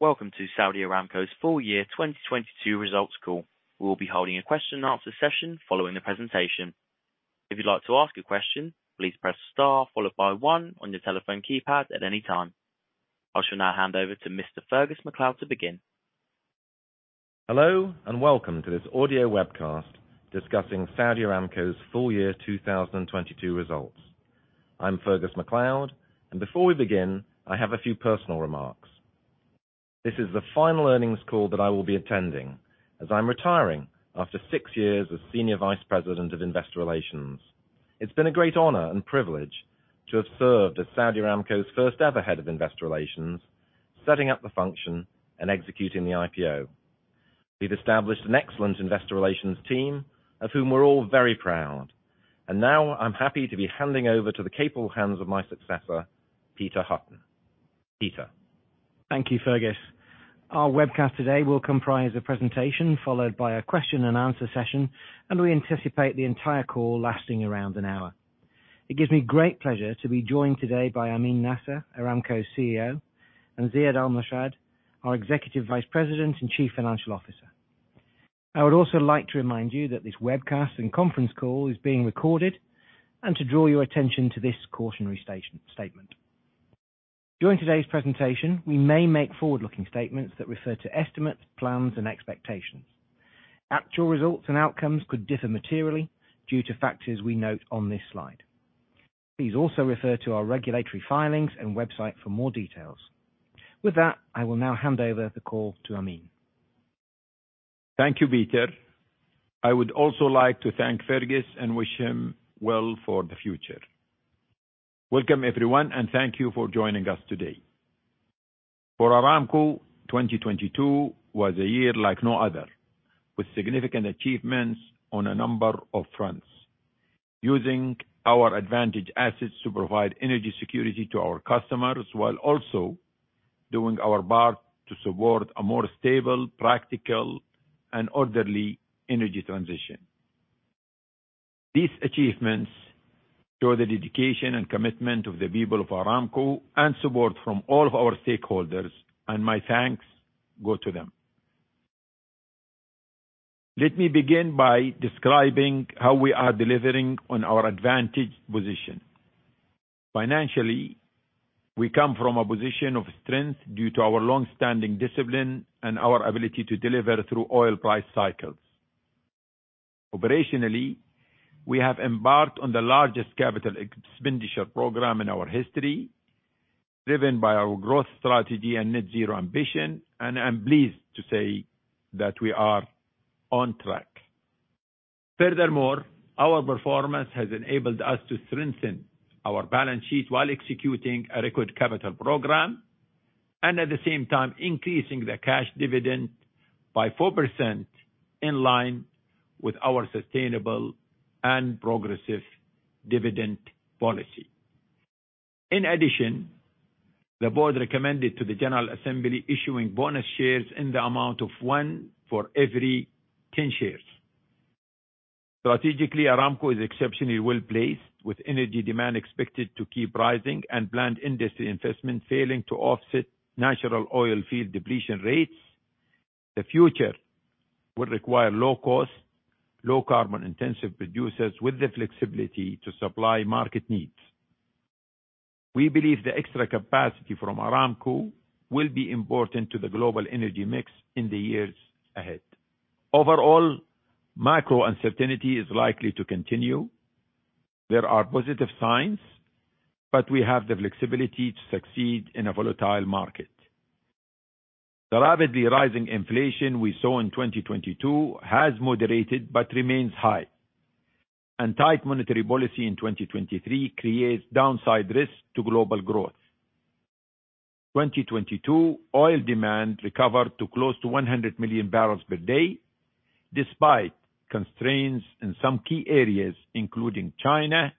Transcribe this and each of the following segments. Welcome to Saudi Aramco's full year 2022 results call. We will be holding a question-and-answer session following the presentation. If you'd like to ask a question, please press star followed by one on your telephone keypad at any time. I shall now hand over to Mr. Fergus MacLeod to begin. Hello and welcome to this audio webcast discussing Saudi Aramco's full year 2022 results. I'm Fergus MacLeod, before we begin, I have a few personal remarks. This is the final earnings call that I will be attending as I'm retiring after six years as Senior Vice President of Investor Relations. It's been a great honor and privilege to have served as Saudi Aramco's first-ever Head of Investor Relations, setting up the function and executing the IPO. We've established an excellent investor relations team of whom we're all very proud. Now I'm happy to be handing over to the capable hands of my successor, Peter Hutton. Peter. Thank you, Fergus. Our webcast today will comprise a presentation followed by a question-and-answer session. We anticipate the entire call lasting around an hour. It gives me great pleasure to be joined today by Amin Nasser, Aramco's CEO, and Ziad Al-Murshed, our Executive Vice President and Chief Financial Officer. I would also like to remind you that this webcast and conference call is being recorded and to draw your attention to this cautionary statement. During today's presentation, we may make forward-looking statements that refer to estimates, plans and expectations. Actual results and outcomes could differ materially due to factors we note on this slide. Please also refer to our regulatory filings and website for more details. With that, I will now hand over the call to Amin. Thank you, Peter. I would also like to thank Fergus and wish him well for the future. Welcome, everyone. Thank you for joining us today. For Aramco, 2022 was a year like no other, with significant achievements on a number of fronts. Using our advantage assets to provide energy security to our customers while also doing our part to support a more stable, practical and orderly energy transition. These achievements show the dedication and commitment of the people of Aramco and support from all of our stakeholders. My thanks go to them. Let me begin by describing how we are delivering on our advantage position. Financially, we come from a position of strength due to our long-standing discipline and our ability to deliver through oil price cycles. Operationally, we have embarked on the largest capital expenditure program in our history, driven by our growth strategy and net zero ambition. I'm pleased to say that we are on track. Furthermore, our performance has enabled us to strengthen our balance sheet while executing a record capital program and at the same time increasing the cash dividend by 4% in line with our sustainable and progressive dividend policy. In addition, the board recommended to the General Assembly issuing bonus shares in the amount of one for every 10 shares. Strategically, Aramco is exceptionally well-placed, with energy demand expected to keep rising and planned industry investment failing to offset natural oil field depletion rates. The future will require low cost, low carbon-intensive producers with the flexibility to supply market needs. We believe the extra capacity from Aramco will be important to the global energy mix in the years ahead. Overall, macro uncertainty is likely to continue. There are positive signs, but we have the flexibility to succeed in a volatile market. The rapidly rising inflation we saw in 2022 has moderated but remains high. Tight monetary policy in 2023 creates downside risks to global growth. 2022 oil demand recovered to close to 100 MMbpd, despite constraints in some key areas, including China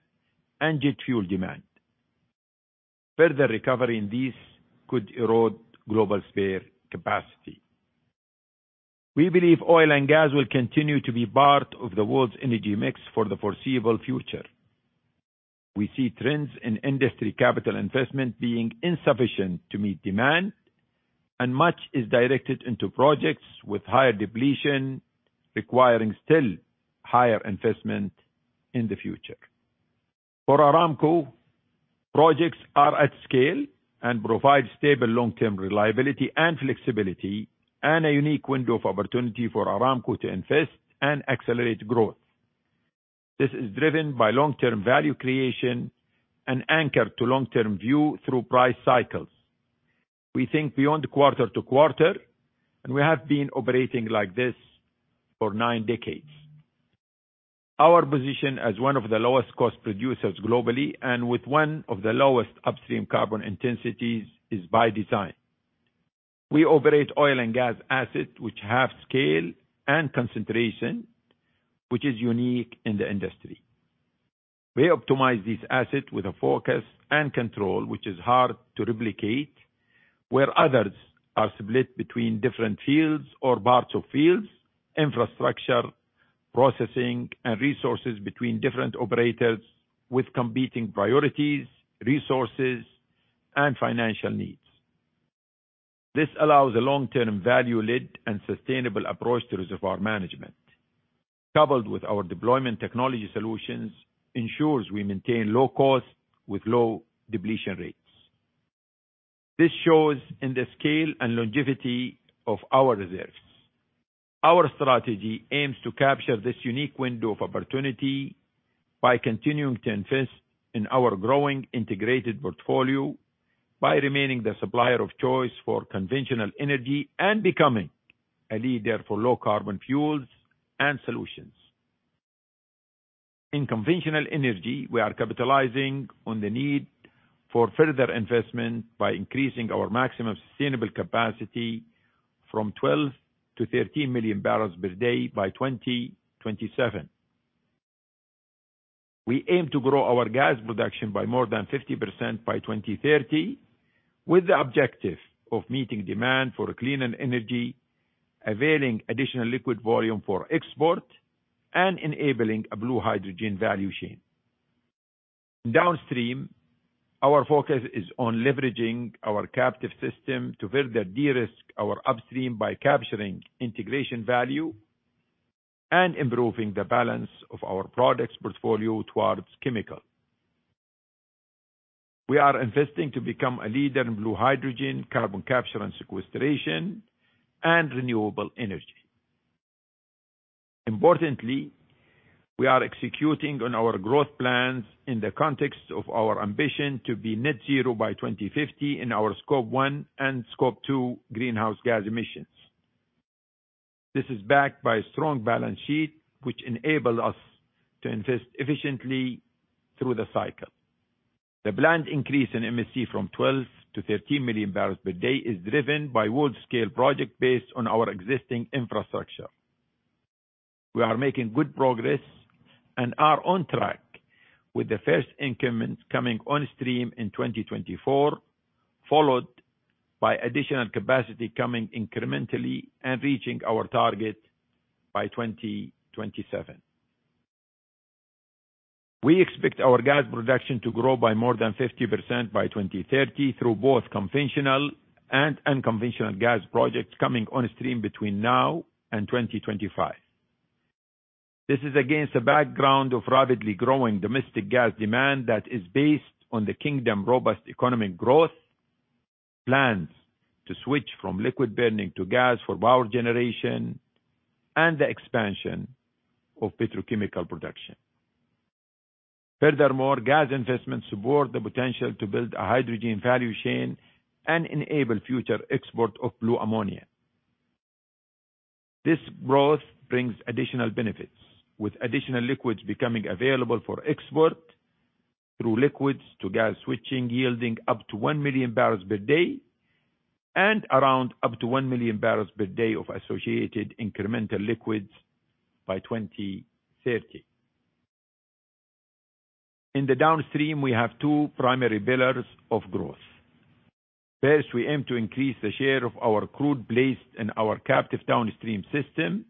and jet fuel demand. Further recovery in these could erode global spare capacity. We believe oil and gas will continue to be part of the world's energy mix for the foreseeable future. We see trends in industry capital investment being insufficient to meet demand, and much is directed into projects with higher depletion, requiring still higher investment in the future. For Aramco, projects are at scale and provide stable long-term reliability and flexibility and a unique window of opportunity for Aramco to invest and accelerate growth. This is driven by long-term value creation and anchored to long-term view through price cycles. We think beyond quarter to quarter. We have been operating like this for nine decades. Our position as one of the lowest cost producers globally and with one of the lowest upstream carbon intensities is by design. We operate oil and gas assets which have scale and concentration, which is unique in the industry. We optimize these assets with a focus and control which is hard to replicate, where others are split between different fields or parts of fields, infrastructure processing and resources between different operators with competing priorities, resources, and financial needs. This allows a long-term value-led and sustainable approach to reservoir management. Coupled with our deployment technology solutions ensures we maintain low cost with low depletion rates. This shows in the scale and longevity of our reserves. Our strategy aims to capture this unique window of opportunity by continuing to invest in our growing integrated portfolio by remaining the supplier of choice for conventional energy and becoming a leader for low carbon fuels and solutions. In conventional energy, we are capitalizing on the need for further investment by increasing our Maximum Sustainable Capacity from 12 MMbpd-13 MMbpd by 2027. We aim to grow our gas production by more than 50% by 2030, with the objective of meeting demand for cleaner energy, availing additional liquid volume for export, and enabling a blue hydrogen value chain. Downstream, our focus is on leveraging our captive system to further de-risk our upstream by capturing integration value and improving the balance of our products portfolio towards chemical. We are investing to become a leader in blue hydrogen, carbon capture and sequestration, and renewable energy. Importantly, we are executing on our growth plans in the context of our ambition to be net zero by 2050 in our Scope 1 and Scope 2 greenhouse gas emissions. This is backed by a strong balance sheet which enable us to invest efficiently through the cycle. The planned increase in MSC from 12 MMbpd-13 MMbpd is driven by world-scale project based on our existing infrastructure. We are making good progress and are on track with the first increments coming on stream in 2024, followed by additional capacity coming incrementally and reaching our target by 2027. We expect our gas production to grow by more than 50% by 2030 through both conventional and unconventional gas projects coming on stream between now and 2025. This is against a background of rapidly growing domestic gas demand that is based on the Kingdom robust economic growth plans to switch from liquid-burning to gas for power generation and the expansion of petrochemical production. Gas investments support the potential to build a hydrogen value chain and enable future export of blue ammonia. This growth brings additional benefits with additional liquids becoming available for export through liquids to gas-switching yielding up to 1 MMbpd and around up to 1 MMbpd of associated incremental liquids by 2030. In the downstream, we have two primary pillars of growth. First, we aim to increase the share of our crude placed in our captive downstream system,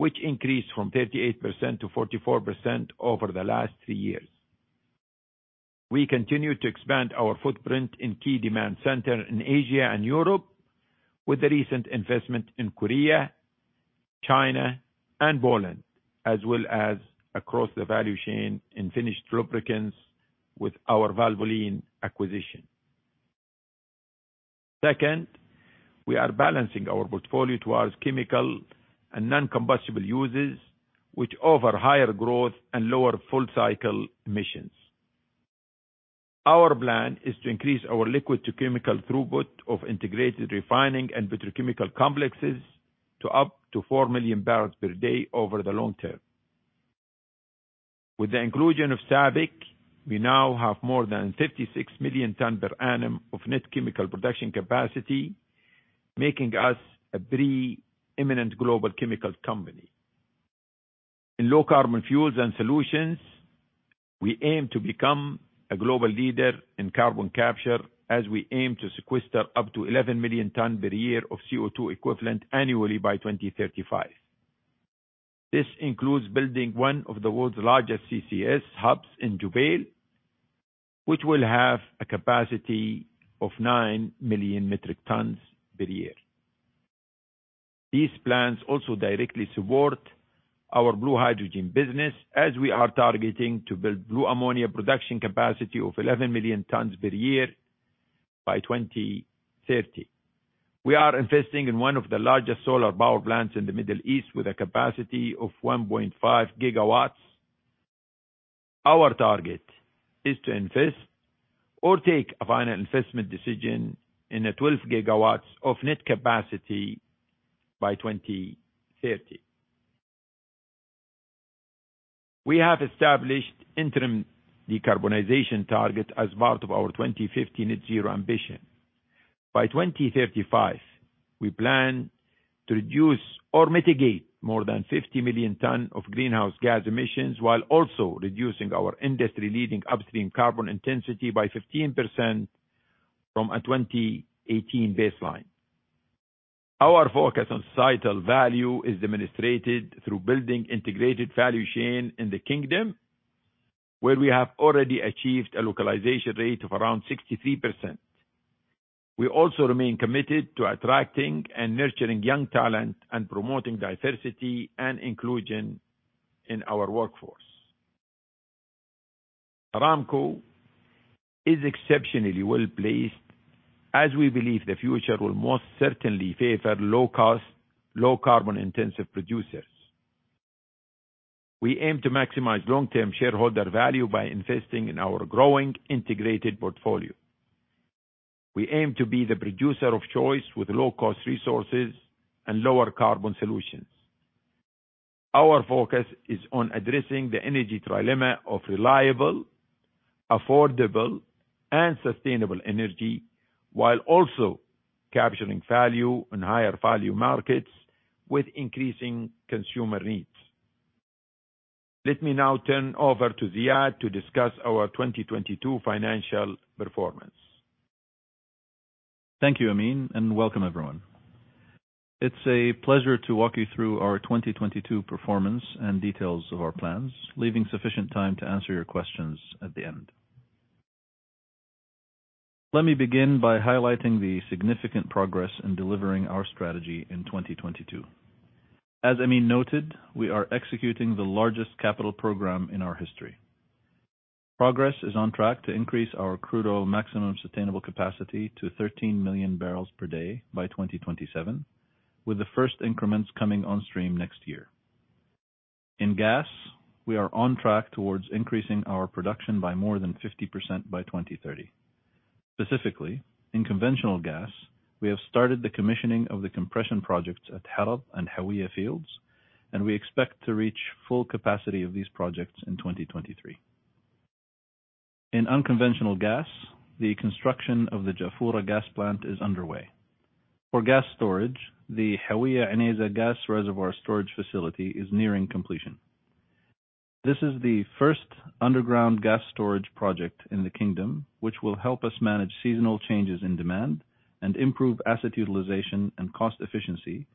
which increased from 38% to 44% over the last three years. We continue to expand our footprint in key demand center in Asia and Europe with the recent investment in Korea, China, and Poland, as well as across the value chain in finished lubricants with our Valvoline acquisition. Second, we are balancing our portfolio towards chemical and non-combustible uses which offer higher growth and lower full-cycle emissions. Our plan is to increase our Liquids-to-Chemicals throughput of integrated refining and petrochemical complexes to up to 4 MMbpd over the long term. With the inclusion of SABIC, we now have more than 56 million ton per annum of net chemical production capacity, making us a preeminent global chemical company. In low carbon fuels and solutions, we aim to become a global leader in carbon capture as we aim to sequester up to 11 mmtCO2e annually by 2035. This includes building one of the world's largest CCS hubs in Jubail, which will have a capacity of 9 million metric tons per year. These plans also directly support our blue hydrogen business as we are targeting to build blue ammonia production capacity of 11 mmtpa by 2030. We are investing in one of the largest solar power plants in the Middle East with a capacity of 1.5 GW. Our target is to invest or take a final investment decision in a 12 GW of net capacity by 2030. We have established interim decarbonization targets as part of our 2050 net zero ambition. By 2035, we plan to reduce or mitigate more than 50 million ton of greenhouse gas emissions while also reducing our industry-leading upstream carbon intensity by 15% from a 2018 baseline. Our focus on societal value is demonstrated through building integrated value chain in the Kingdom, where we have already achieved a localization rate of around 63%. We also remain committed to attracting and nurturing young talent and promoting diversity and inclusion in our workforce. Aramco is exceptionally well-placed as we believe the future will most certainly favor low-cost, low carbon-intensive producers. We aim to maximize long-term shareholder value by investing in our growing integrated portfolio. We aim to be the producer of choice with low-cost resources and lower carbon solutions. Our focus is on addressing the energy trilemma of reliable, affordable, and sustainable energy, while also capturing value in higher value markets with increasing consumer needs. Let me now turn over to Ziad to discuss our 2022 financial performance. Thank you, Amin. Welcome everyone. It's a pleasure to walk you through our 2022 performance and details of our plans, leaving sufficient time to answer your questions at the end. Let me begin by highlighting the significant progress in delivering our strategy in 2022. As Amin noted, we are executing the largest capital program in our history. Progress is on track to increase our crude oil Maximum Sustainable Capacity to 13 MMbpd by 2027, with the first increments coming on stream next year. In gas, we are on track towards increasing our production by more than 50% by 2030. Specifically, in conventional gas, we have started the commissioning of the compression projects at Harad and Hawiyah fields, and we expect to reach full capacity of these projects in 2023. In unconventional gas, the construction of the Jafurah gas plant is underway. For gas storage, the Hawiyah Unayzah gas reservoir storage facility is nearing completion. This is the first underground gas storage project in the kingdom, which will help us manage seasonal changes in demand and improve asset utilization and cost efficiency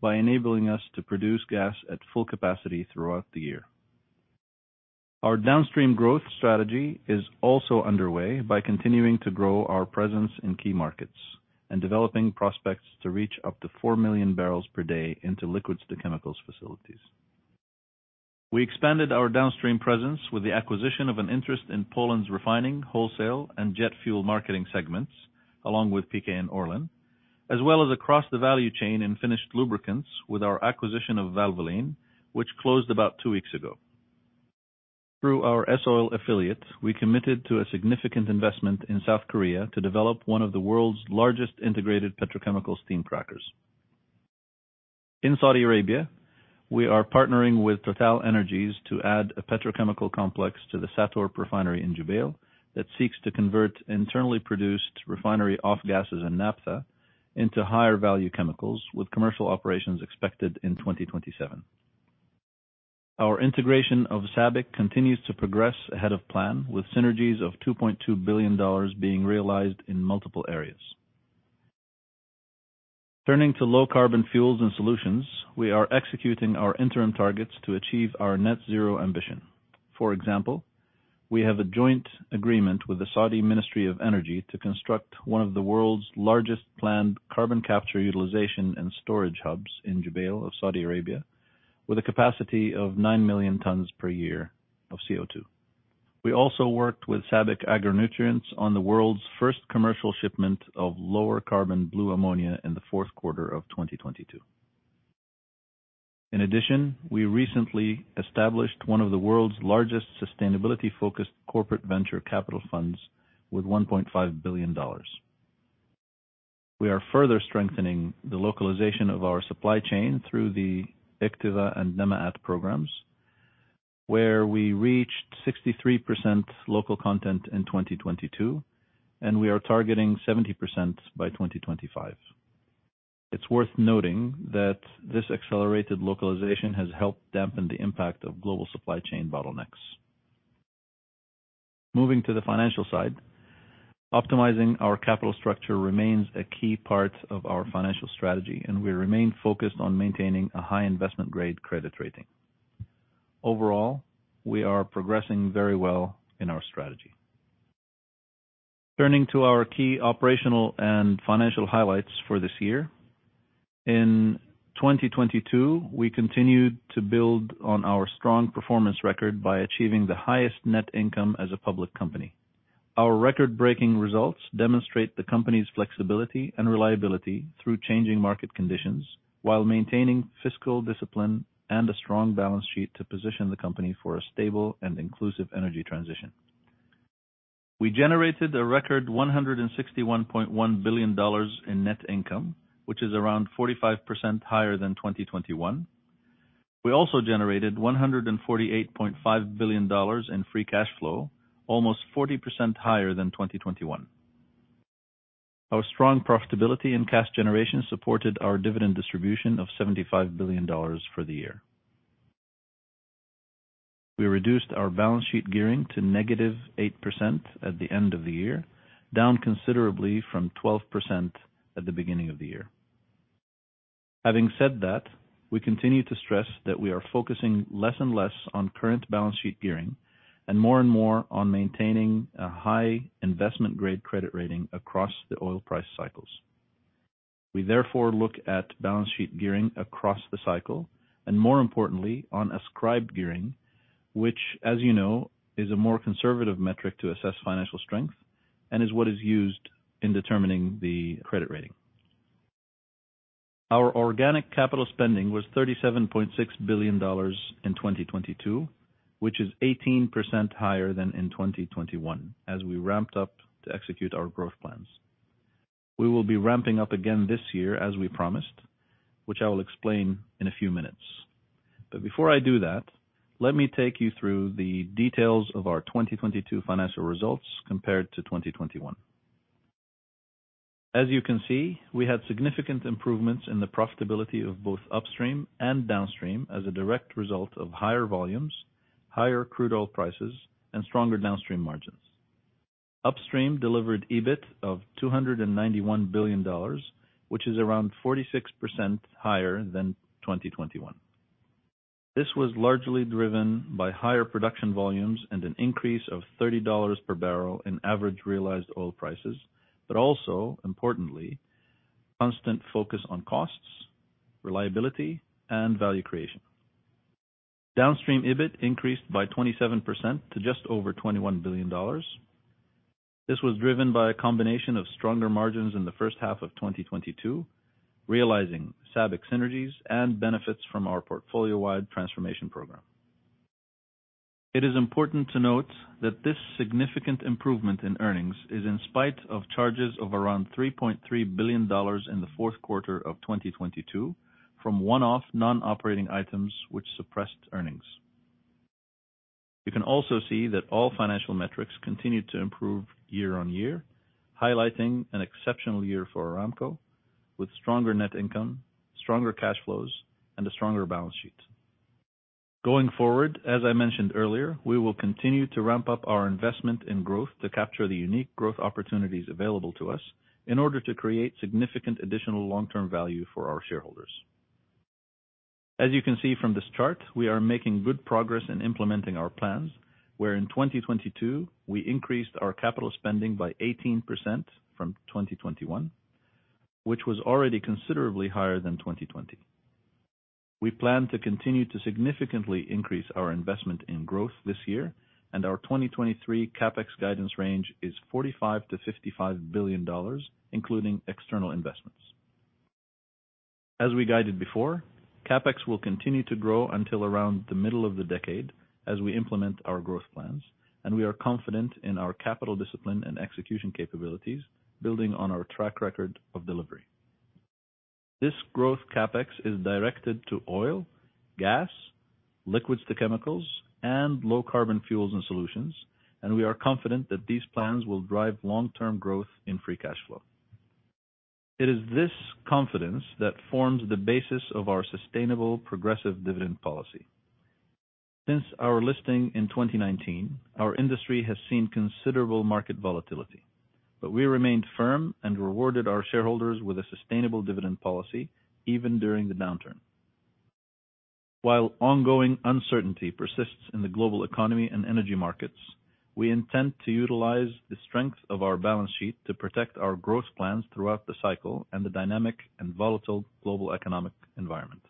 by enabling us to produce gas at full capacity throughout the year. Our downstream growth strategy is also underway by continuing to grow our presence in key markets and developing prospects to reach up to 4 MMbpd into liquids-to-chemicals facilities. We expanded our downstream presence with the acquisition of an interest in Poland's refining, wholesale, and jet fuel marketing segments, along with PKN Orlen, as well as across the value chain in finished lubricants with our acquisition of Valvoline, which closed about two weeks ago. Through our S-Oil affiliate, we committed to a significant investment in South Korea to develop one of the world's largest integrated petrochemical steam crackers. In Saudi Arabia, we are partnering with TotalEnergies to add a petrochemical complex to the SATORP refinery in Jubail that seeks to convert internally produced refinery off-gases and naphtha into higher value chemicals, with commercial operations expected in 2027. Our integration of SABIC continues to progress ahead of plan, with synergies of $2.2 billion being realized in multiple areas. Turning to low carbon fuels and solutions, we are executing our interim targets to achieve our net zero ambition. For example, we have a joint agreement with the Saudi Ministry of Energy to construct one of the world's largest planned carbon capture utilization and storage hubs in Jubail of Saudi Arabia, with a capacity of 9 million tons per year of CO₂. We also worked with SABIC Agri-Nutrients on the world's first commercial shipment of lower carbon blue ammonia in the fourth quarter of 2022. In addition, we recently established one of the world's largest sustainability-focused corporate venture capital funds with $1.5 billion. We are further strengthening the localization of our supply chain through the IKTVA and Namaat programs, where we reached 63% local content in 2022, and we are targeting 70% by 2025. It's worth noting that this accelerated localization has helped dampen the impact of global supply chain bottlenecks. Moving to the financial side, optimizing our capital structure remains a key part of our financial strategy, and we remain focused on maintaining a high investment-grade credit rating. Overall, we are progressing very well in our strategy. Turning to our key operational and financial highlights for this year. In 2022, we continued to build on our strong performance record by achieving the highest net income as a public company. Our record-breaking results demonstrate the company's flexibility and reliability through changing market conditions while maintaining fiscal discipline and a strong balance sheet to position the company for a stable and inclusive energy transition. We generated a record $161.1 billion in net income, which is around 45% higher than 2021. We also generated $148.5 billion in free cash flow, almost 40% higher than 2021. Our strong profitability and cash generation supported our dividend distribution of $75 billion for the year. We reduced our balance sheet gearing to -8% at the end of the year, down considerably from 12% at the beginning of the year. Having said that, we continue to stress that we are focusing less and less on current balance sheet gearing and more and more on maintaining a high investment-grade credit rating across the oil price cycles. We therefore look at balance sheet gearing across the cycle, and more importantly, on ascribed gearing, which, as you know, is a more conservative metric to assess financial strength and is what is used in determining the credit rating. Our organic capital spending was $37.6 billion in 2022, which is 18% higher than in 2021 as we ramped up to execute our growth plans. We will be ramping up again this year, as we promised, which I will explain in a few minutes. Before I do that, let me take you through the details of our 2022 financial results compared to 2021. As you can see, we had significant improvements in the profitability of both upstream and downstream as a direct result of higher volumes, higher crude oil prices, and stronger downstream margins. Upstream delivered EBIT of $291 billion, which is around 46% higher than 2021. This was largely driven by higher production volumes and an increase of $30 per barrel in average realized oil prices, but also, importantly, constant focus on costs, reliability, and value creation. Downstream EBIT increased by 27% to just over $21 billion. This was driven by a combination of stronger margins in the first half of 2022, realizing SABIC synergies and benefits from our portfolio-wide transformation program. It is important to note that this significant improvement in earnings is in spite of charges of around $3.3 billion in the fourth quarter of 2022 from one-off non-operating items which suppressed earnings. You can also see that all financial metrics continued to improve year-on-year, highlighting an exceptional year for Aramco with stronger net income, stronger cash flows, and a stronger balance sheet. Going forward, as I mentioned earlier, we will continue to ramp up our investment in growth to capture the unique growth opportunities available to us in order to create significant additional long-term value for our shareholders. As you can see from this chart, we are making good progress in implementing our plans, where in 2022 we increased our capital spending by 18% from 2021, which was already considerably higher than 2020. We plan to continue to significantly increase our investment in growth this year. Our 2023 CapEx guidance range is $45 billion-$55 billion, including external investments. As we guided before, CapEx will continue to grow until around the middle of the decade as we implement our growth plans. We are confident in our capital discipline and execution capabilities, building on our track record of delivery. This growth CapEx is directed to oil, gas, liquids-to-chemicals, and low-carbon fuels and solutions. We are confident that these plans will drive long-term growth in free cash flow. It is this confidence that forms the basis of our sustainable progressive dividend policy. Since our listing in 2019, our industry has seen considerable market volatility. We remained firm and rewarded our shareholders with a sustainable dividend policy even during the downturn. While ongoing uncertainty persists in the global economy and energy markets, we intend to utilize the strength of our balance sheet to protect our growth plans throughout the cycle and the dynamic and volatile global economic environment.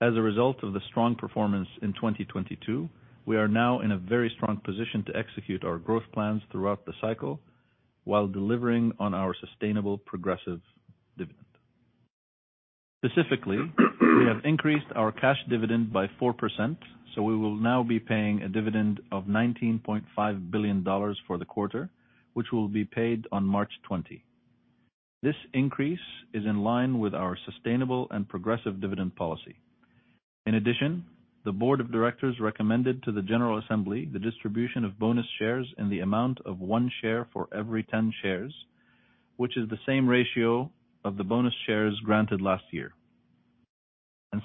As a result of the strong performance in 2022, we are now in a very strong position to execute our growth plans throughout the cycle while delivering on our sustainable progressive dividend. Specifically, we have increased our cash dividend by 4%, so we will now be paying a dividend of $19.5 billion for the quarter, which will be paid on March 20. This increase is in line with our sustainable and progressive dividend policy. In addition, the board of directors recommended to the General Assembly the distribution of bonus shares in the amount of one share for every 10 shares, which is the same ratio of the bonus shares granted last year.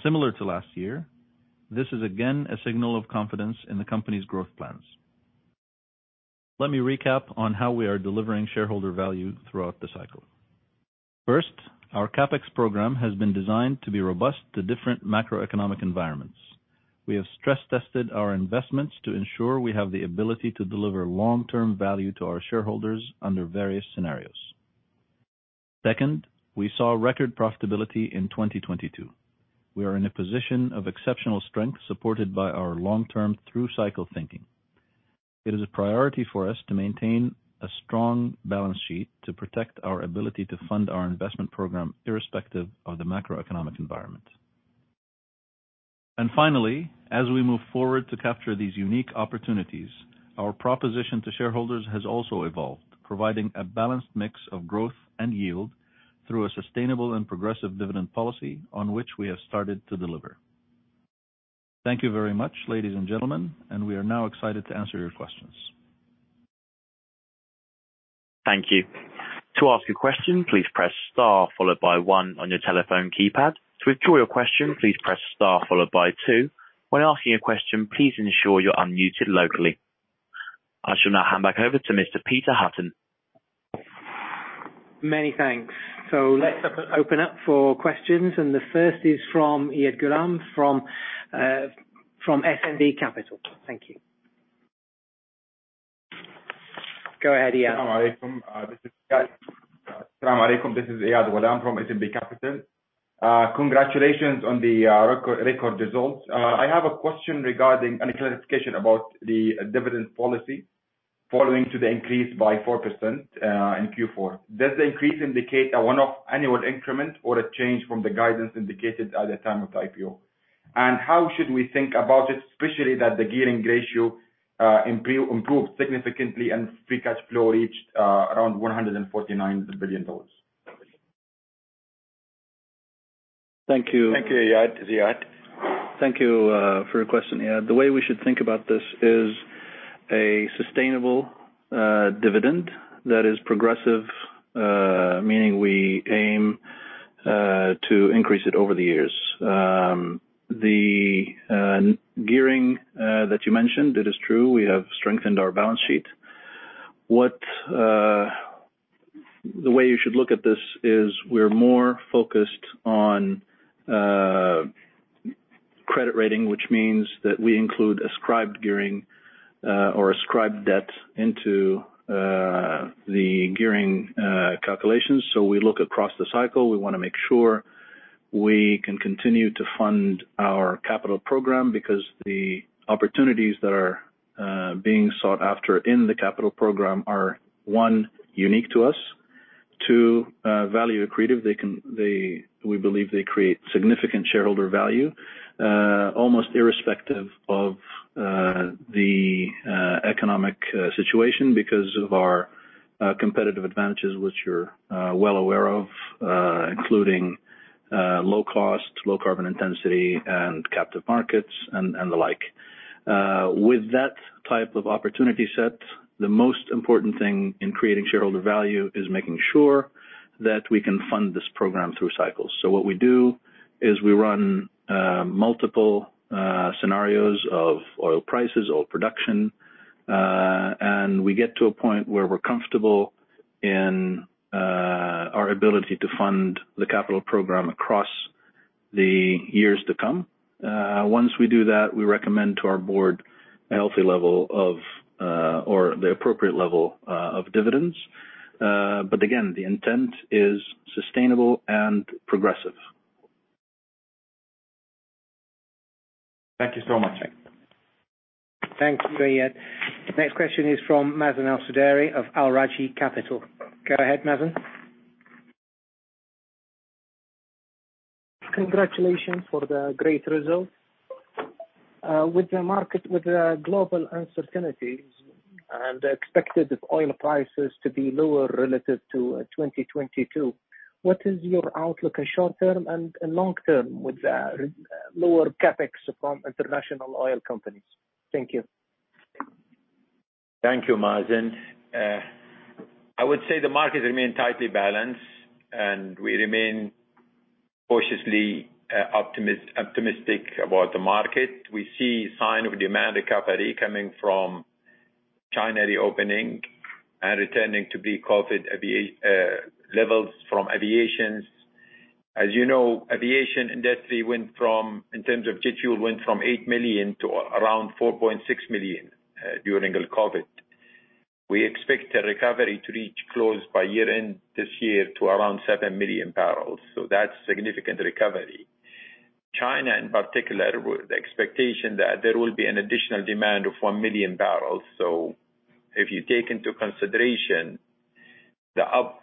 Similar to last year, this is again a signal of confidence in the company's growth plans. Let me recap on how we are delivering shareholder value throughout the cycle. First, our CapEx program has been designed to be robust to different macroeconomic environments. We have stress-tested our investments to ensure we have the ability to deliver long-term value to our shareholders under various scenarios. Second, we saw record profitability in 2022. We are in a position of exceptional strength supported by our long-term through-cycle thinking. It is a priority for us to maintain a strong balance sheet to protect our ability to fund our investment program, irrespective of the macroeconomic environment. Finally, as we move forward to capture these unique opportunities, our proposition to shareholders has also evolved, providing a balanced mix of growth and yield through a sustainable and progressive dividend policy on which we have started to deliver. Thank you very much, ladies and gentlemen. We are now excited to answer your questions. Thank you. To ask a question, please press star followed by one on your telephone keypad. To withdraw your question, please press star followed by two. When asking a question, please ensure you're unmuted locally. I shall now hand back over to Mr. Peter Hutton. Many thanks. Let's open up for questions. The first is from Iyad Ghulam from SNB Capital. Thank you. Go ahead, Iyad. Salam alaykum, this is Iyad. Salam alaykum, this is Iyad Ghulam from SNB Capital. Congratulations on the record results. I have a question regarding and a clarification about the dividend policy following to the increase by 4% in Q4. Does the increase indicate a one-off annual increment or a change from the guidance indicated at the time of the IPO? How should we think about it, especially that the gearing ratio improved significantly and free cash flow reached around $149 billion? Thank you. Thank you, Iyad. This is Ziad. Thank you for your question, Iyad. The way we should think about this is a sustainable dividend that is progressive, meaning we aim to increase it over the years. The gearing that you mentioned, it is true, we have strengthened our balance sheet. The way you should look at this is we're more focused on credit rating, which means that we include ascribed gearing or ascribed debt into the gearing calculations. We look across the cycle. We wanna make sure we can continue to fund our capital program because the opportunities that are being sought after in the capital program are, one, unique to us. two, value accretive. They, we believe they create significant shareholder value, almost irrespective of the economic situation because of our competitive advantages, which you're well aware of, including low cost, low carbon intensity, and captive markets and the like. With that type of opportunity set, the most important thing in creating shareholder value is making sure that we can fund this program through cycles. So what we do is we run multiple scenarios of oil prices, oil production, and we get to a point where we're comfortable in our ability to fund the capital program across the years to come. Once we do that, we recommend to our board a healthy level of or the appropriate level of dividends. But again, the intent is sustainable and progressive. Thank you so much. Thank you. Thanks, Iyad. Next question is from Mazen Al-Sudairi of Al Rajhi Capital. Go ahead, Mazen. Congratulations for the great results. With the market, with the global uncertainties and expected oil prices to be lower relative to 2022, what is your outlook at short-term and long-term with the lower CapEx from international oil companies? Thank you. Thank you, Mazen. I would say the markets remain tightly balanced, and we remain cautiously optimistic about the market. We see sign of demand recovery coming from China reopening and returning to pre-COVID levels from aviations. As you know, aviation industry went from, in terms of jet fuel, went from 8 million to around 4.6 million during COVID. We expect a recovery to reach close by year-end this year to around 7 million bbl. That's significant recovery. China in particular, the expectation that there will be an additional demand of 1 million bbl. If you take into consideration the upward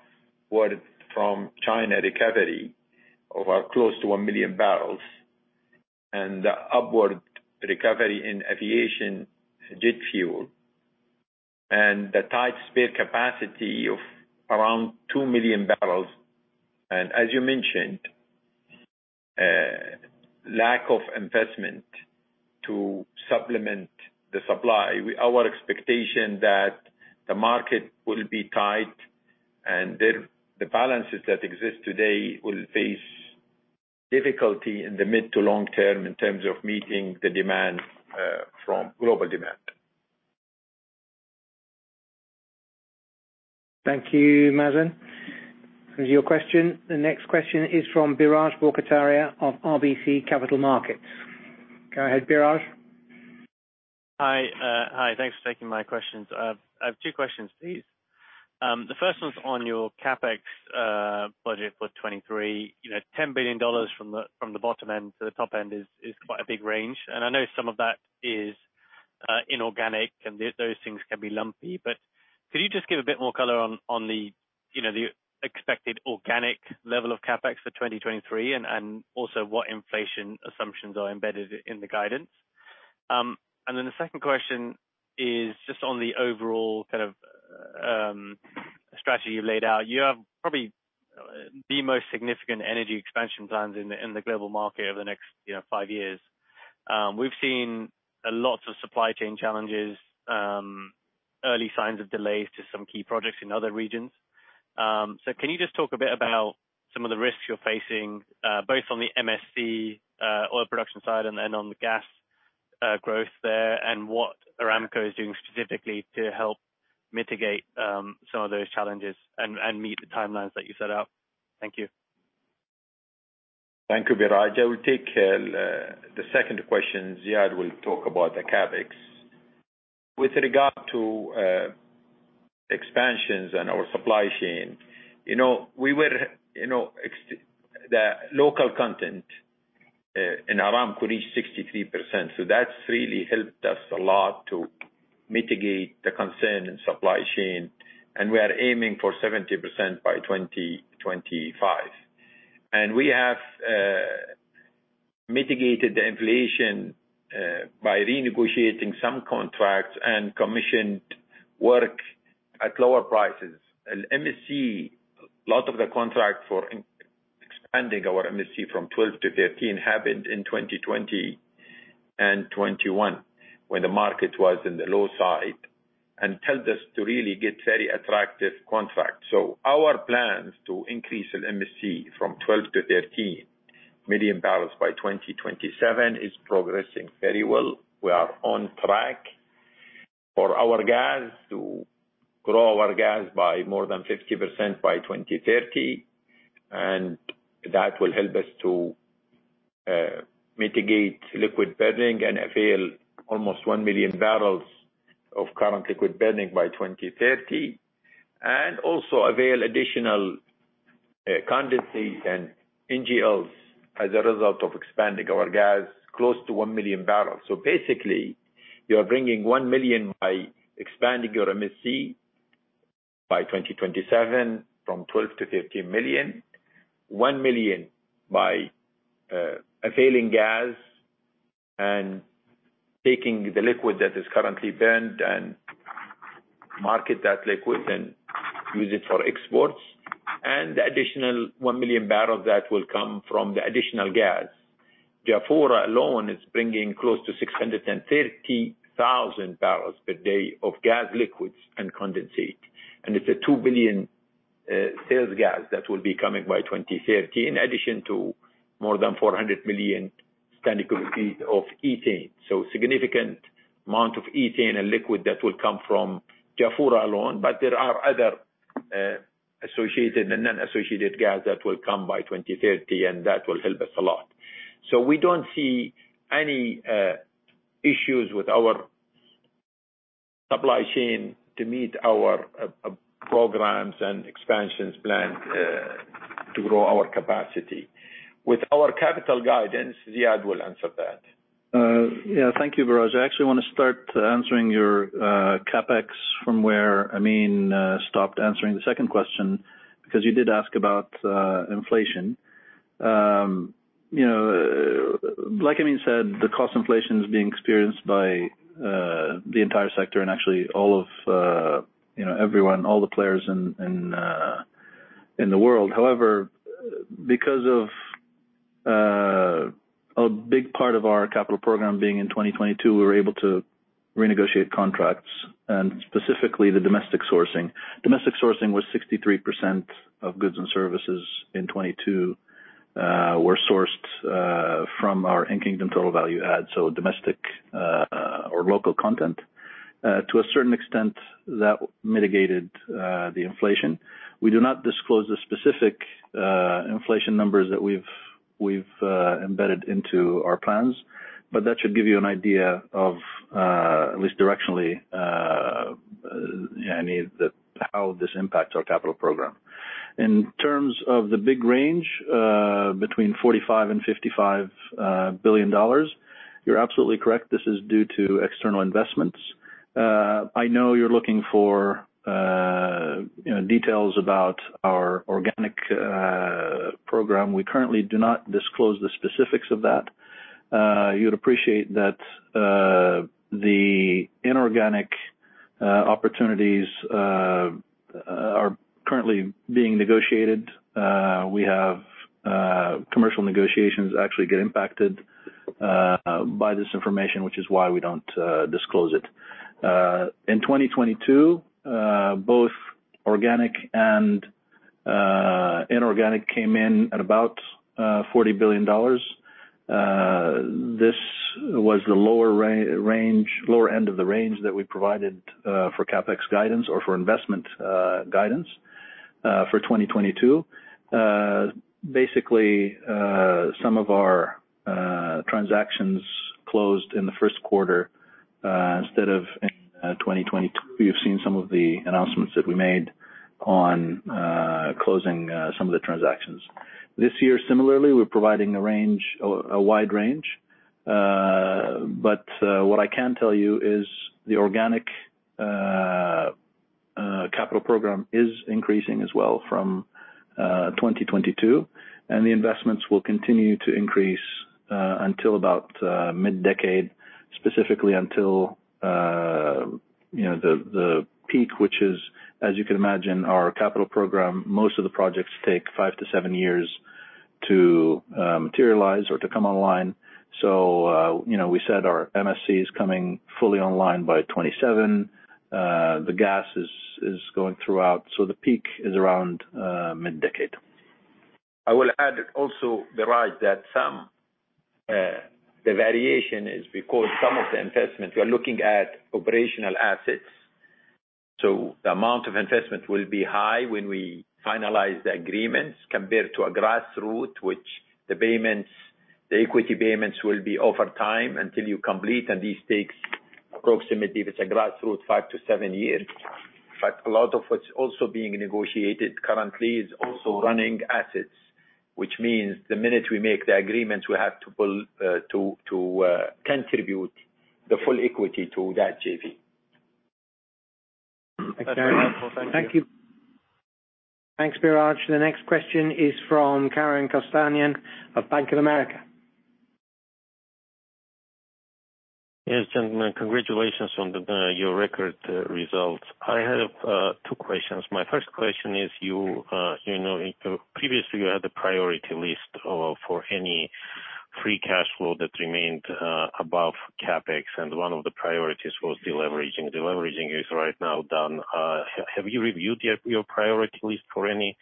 from China recovery of 1 million bbl and the upward recovery in aviation jet fuel and the tight spare capacity of around 2 million bbl, and as you mentioned, lack of investment to supplement the supply, our expectation that the market will be tight and the balances that exist today will face difficulty in the mid to long term in terms of meeting the demand from global demand. Thank you, Mazen. That was your question. The next question is from Biraj Borkhataria of RBC Capital Markets. Go ahead, Biraj. Hi. Hi. Thanks for taking my questions. I have two questions, please. The first one's on your CapEx budget for 2023. You know, $10 billion from the bottom end to the top end is quite a big range. I know some of that is inorganic and those things can be lumpy. Could you just give a bit more color on the, you know, the expected organic level of CapEx for 2023 and also what inflation assumptions are embedded in the guidance? The second question is just on the overall kind of strategy you laid out. You have probably the most significant energy expansion plans in the, in the global market over the next, you know, five years. We've seen a lot of supply chain challenges, early signs of delays to some key projects in other regions. Can you just talk a bit about some of the risks you're facing, both on the MSC, oil production side and then on the gas, growth there, and what Aramco is doing specifically to help mitigate some of those challenges and meet the timelines that you set out? Thank you. Thank you, Biraj. I will take the second question. Ziad will talk about the CapEx. With regard to expansions and our supply chain, you know, we were, you know, The local content in Aramco reached 63%, so that's really helped us a lot to mitigate the concern in supply chain. We are aiming for 70% by 2025. We have mitigated the inflation by renegotiating some contracts and commissioned work at lower prices. MSC, a lot of the contracts for expanding our MSC from 12 to 13 happened in 2020 and 2021, when the market was in the low side, and helped us to really get very attractive contracts. Our plans to increase in MSC from 12 million-13 million bbl by 2027 is progressing very well. We are on track for our gas to grow our gas by more than 50% by 2030. That will help us to mitigate liquid-burning and avail almost 1 million bbl of current liquid-burning by 2030, also avail additional condensate and NGLs as a result of expanding our gas close to 1 million bbl. Basically, you're bringing 1 million by expanding your MSC by 2027 from 12 million-13 million. 1 million by availing gas and taking the liquid that is currently burned and market that liquid and use it for exports. The additional 1 million bbl that will come from the additional gas. Jafurah alone is bringing close to 630,000 bbl per day of gas liquids and condensate. It's a 2 billion sales gas that will be coming by 2030, in addition to more than 400 million standard cubic feet of ethane. Significant amount of ethane and liquid that will come from Jafurah alone. There are other associated and unassociated gas that will come by 2030, and that will help us a lot. We don't see any issues with our supply chain to meet our programs and expansions plan to grow our capacity. With our capital guidance, Ziad will answer that. Yeah. Thank you, Biraj. I actually wanna start answering your CapEx from where Amin stopped answering the second question because you did ask about inflation. You know, like Amin said, the cost inflation is being experienced by the entire sector and actually all of, you know, everyone, all the players in the world. However, because of a big part of our capital program being in 2022, we were able to renegotiate contracts, and specifically the domestic sourcing. Domestic sourcing was 63% of goods and services in 2022, were sourced from our In-Kingdom Total Value Add, so domestic or local content. To a certain extent, that mitigated the inflation. We do not disclose the specific inflation numbers that we've embedded into our plans, but that should give you an idea of at least directionally, you know, how this impacts our capital program. In terms of the big range between $45 billion and $55 billion, you're absolutely correct. This is due to external investments. I know you're looking for, you know, details about our organic program. We currently do not disclose the specifics of that. You'd appreciate that the inorganic opportunities are currently being negotiated. We have commercial negotiations actually get impacted by this information, which is why we don't disclose it. In 2022, both organic and inorganic came in at about $40 billion. This was the lower end of the range that we provided for CapEx guidance or for investment guidance for 2022. Basically, some of our transactions closed in the first quarter instead of in 2022. You've seen some of the announcements that we made on closing some of the transactions. This year, similarly, we're providing a range, a wide range. But what I can tell you is the organic capital program is increasing as well from 2022. The investments will continue to increase until about mid-decade, specifically until, you know, the peak, which is, as you can imagine, our capital program. Most of the projects take five to seven years to materialize or to come online. You know, we said our MSC is coming fully online by 2027. The gas is going throughout. The peak is around, mid-decade. I will add also, Biraj, that some, the variation is because some of the investments we are looking at operational assets. The amount of investment will be high when we finalize the agreements compared to a grassroots, which the payments, the equity payments will be over time until you complete, and this takes approximately, if it's a grassroots, five to seven years. A lot of what's also being negotiated currently is also running assets, which means the minute we make the agreements, we have to pull, to contribute the full equity to that JV. That's very helpful. Thank you. Thank you. Thanks, Biraj. The next question is from Karen Kostanian of Bank of America. Yes, gentlemen. Congratulations on your record results. I have two questions. My first question is you know, previously you had the priority list for Henri, free cash flow that remained above CapEx, and one of the priorities was deleveraging. Deleveraging is right now done. Have you reviewed your priority list for any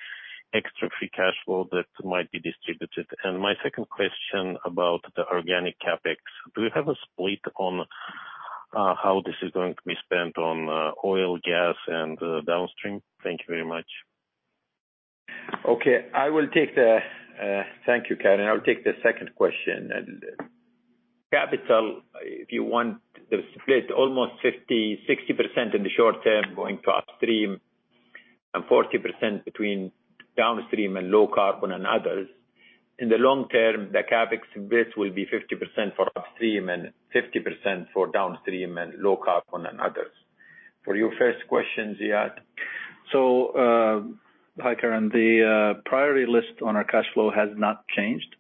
extra free cash flow that might be distributed? My second question about the organic CapEx. Do you have a split on how this is going to be spent on oil, gas, and downstream? Thank you very much. Okay. I will take the. Thank you, Karen. I will take the second question. Capital, if you want the split, almost 50-60% in the short term going to upstream and 40% between downstream and low carbon and others. In the long term, the CapEx base will be 50% for upstream and 50% for downstream and low carbon and others. For your first question, Ziad. Hi, Karen. The priority list on our cash flow has not changed.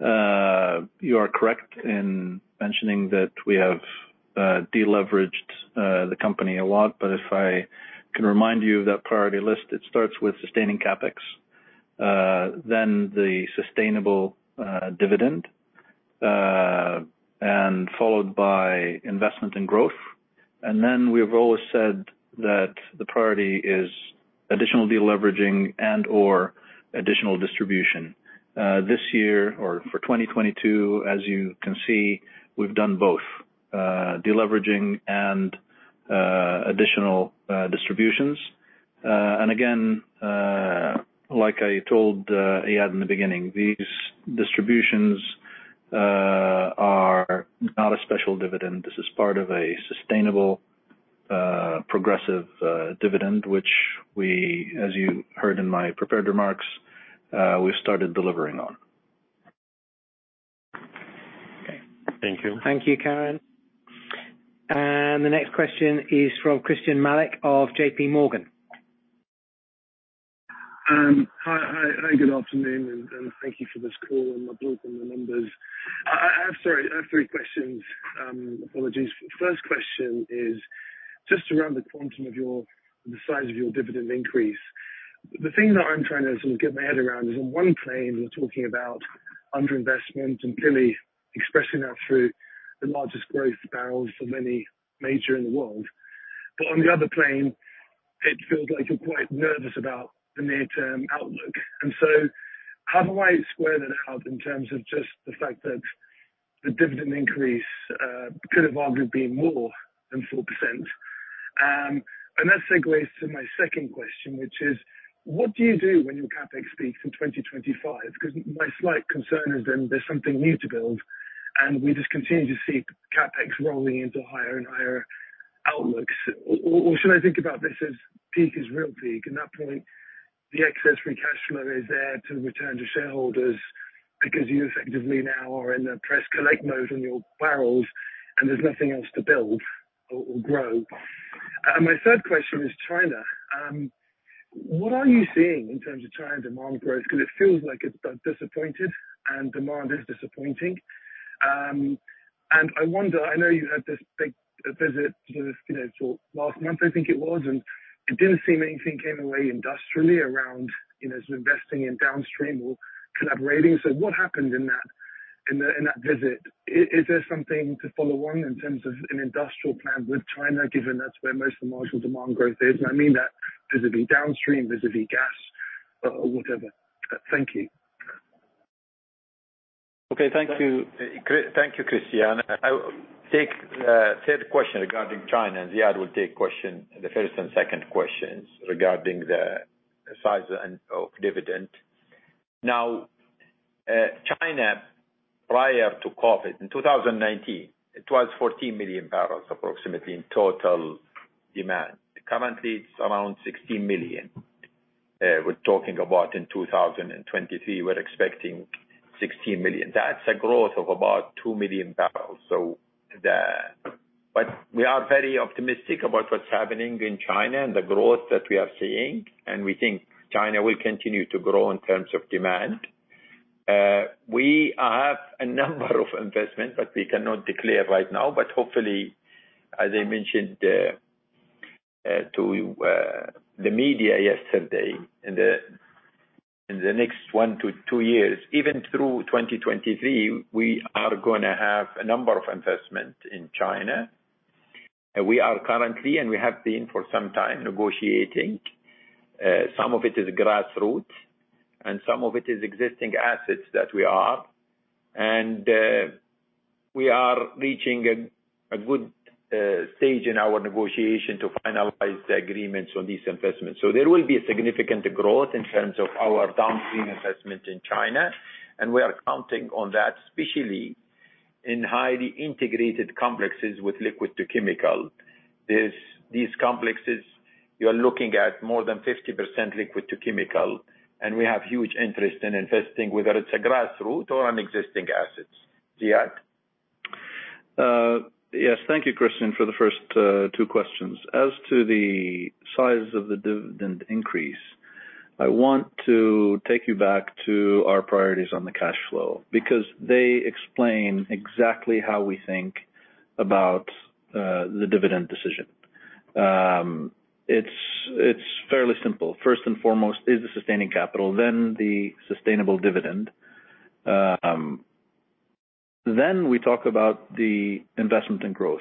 You are correct in mentioning that we have deleveraged the company a lot. If I can remind you of that priority list, it starts with sustaining CapEx, then the sustainable dividend, followed by investment and growth. Then we've always said that the priority is additional deleveraging and/or additional distribution. This year or for 2022, as you can see, we've done both, deleveraging and additional distributions. Again, like I told Iyad in the beginning, these distributions are not a special dividend. This is part of a sustainable, progressive dividend, which we, as you heard in my prepared remarks, we started delivering on. Okay. Thank you. Thank you, Karen. The next question is from Christyan Malek of JPMorgan. Hi. Hi. Good afternoon, and thank you for this call and updating the numbers. I'm sorry, I have three questions. Apologies. First question is just around the size of your dividend increase. The thing that I'm trying to sort of get my head around is on one plane, we're talking about underinvestment and clearly expressing that through the largest growth barrels for many major in the world. On the other plane, it feels like you're quite nervous about the near-term outlook. How do I square that out in terms of just the fact that the dividend increase could have arguably been more than 4%? That segues to my second question, which is, what do you do when your CapEx peaks in 2025? My slight concern is there's something new to build, and we just continue to see CapEx rolling into higher and higher outlooks. Should I think about this as peak is real peak? At that point, the excess free cash flow is there to return to shareholders because you effectively now are in a press collect mode on your barrels and there's nothing else to build or grow. My third question is China. What are you seeing in terms of China demand growth? It feels like it's disappointed and demand is disappointing. I wonder, I know you had this big visit to this, you know, last month I think it was, and it didn't seem anything came away industrially around, you know, sort of investing in downstream or collaborating. What happened in that visit? Is there something to follow on in terms of an industrial plan with China, given that's where most of the marginal demand growth is? I mean that vis-à-vis downstream, vis-à-vis gas or whatever. Thank you. Okay. Thank you. Thank you, Christyan. I will take third question regarding China, and Ziad will take question, the first and second questions regarding the size of dividend. China prior to COVID, in 2019, it was 14 million bbl approximately in total demand. Currently, it's around 16 million. We're talking about in 2023, we're expecting 16 million. That's a growth of about 2 million bbl. But we are very optimistic about what's happening in China and the growth that we are seeing, and we think China will continue to grow in terms of demand. We have a number of investments, but we cannot declare right now. Hopefully, as I mentioned to the media yesterday, in the next one to two years, even through 2023, we are gonna have a number of investment in China. We are currently and we have been for some time negotiating. Some of it is grassroots and some of it is existing assets that we have. We are reaching a good stage in our negotiation to finalize the agreements on these investments. There will be a significant growth in terms of our downstream investment in China, and we are counting on that, especially in highly integrated complexes with Liquids-to-Chemicals. These complexes, you're looking at more than 50% Liquids-to-Chemicals, and we have huge interest in investing, whether it's a grassroots or an existing assets. Ziad. Yes. Thank you, Christyan, for the first two questions. As to the size of the dividend increase, I want to take you back to our priorities on the cash flow because they explain exactly how we think about the dividend decision. It's fairly simple. First and foremost is the sustaining capital, then the sustainable dividend. We talk about the investment and growth.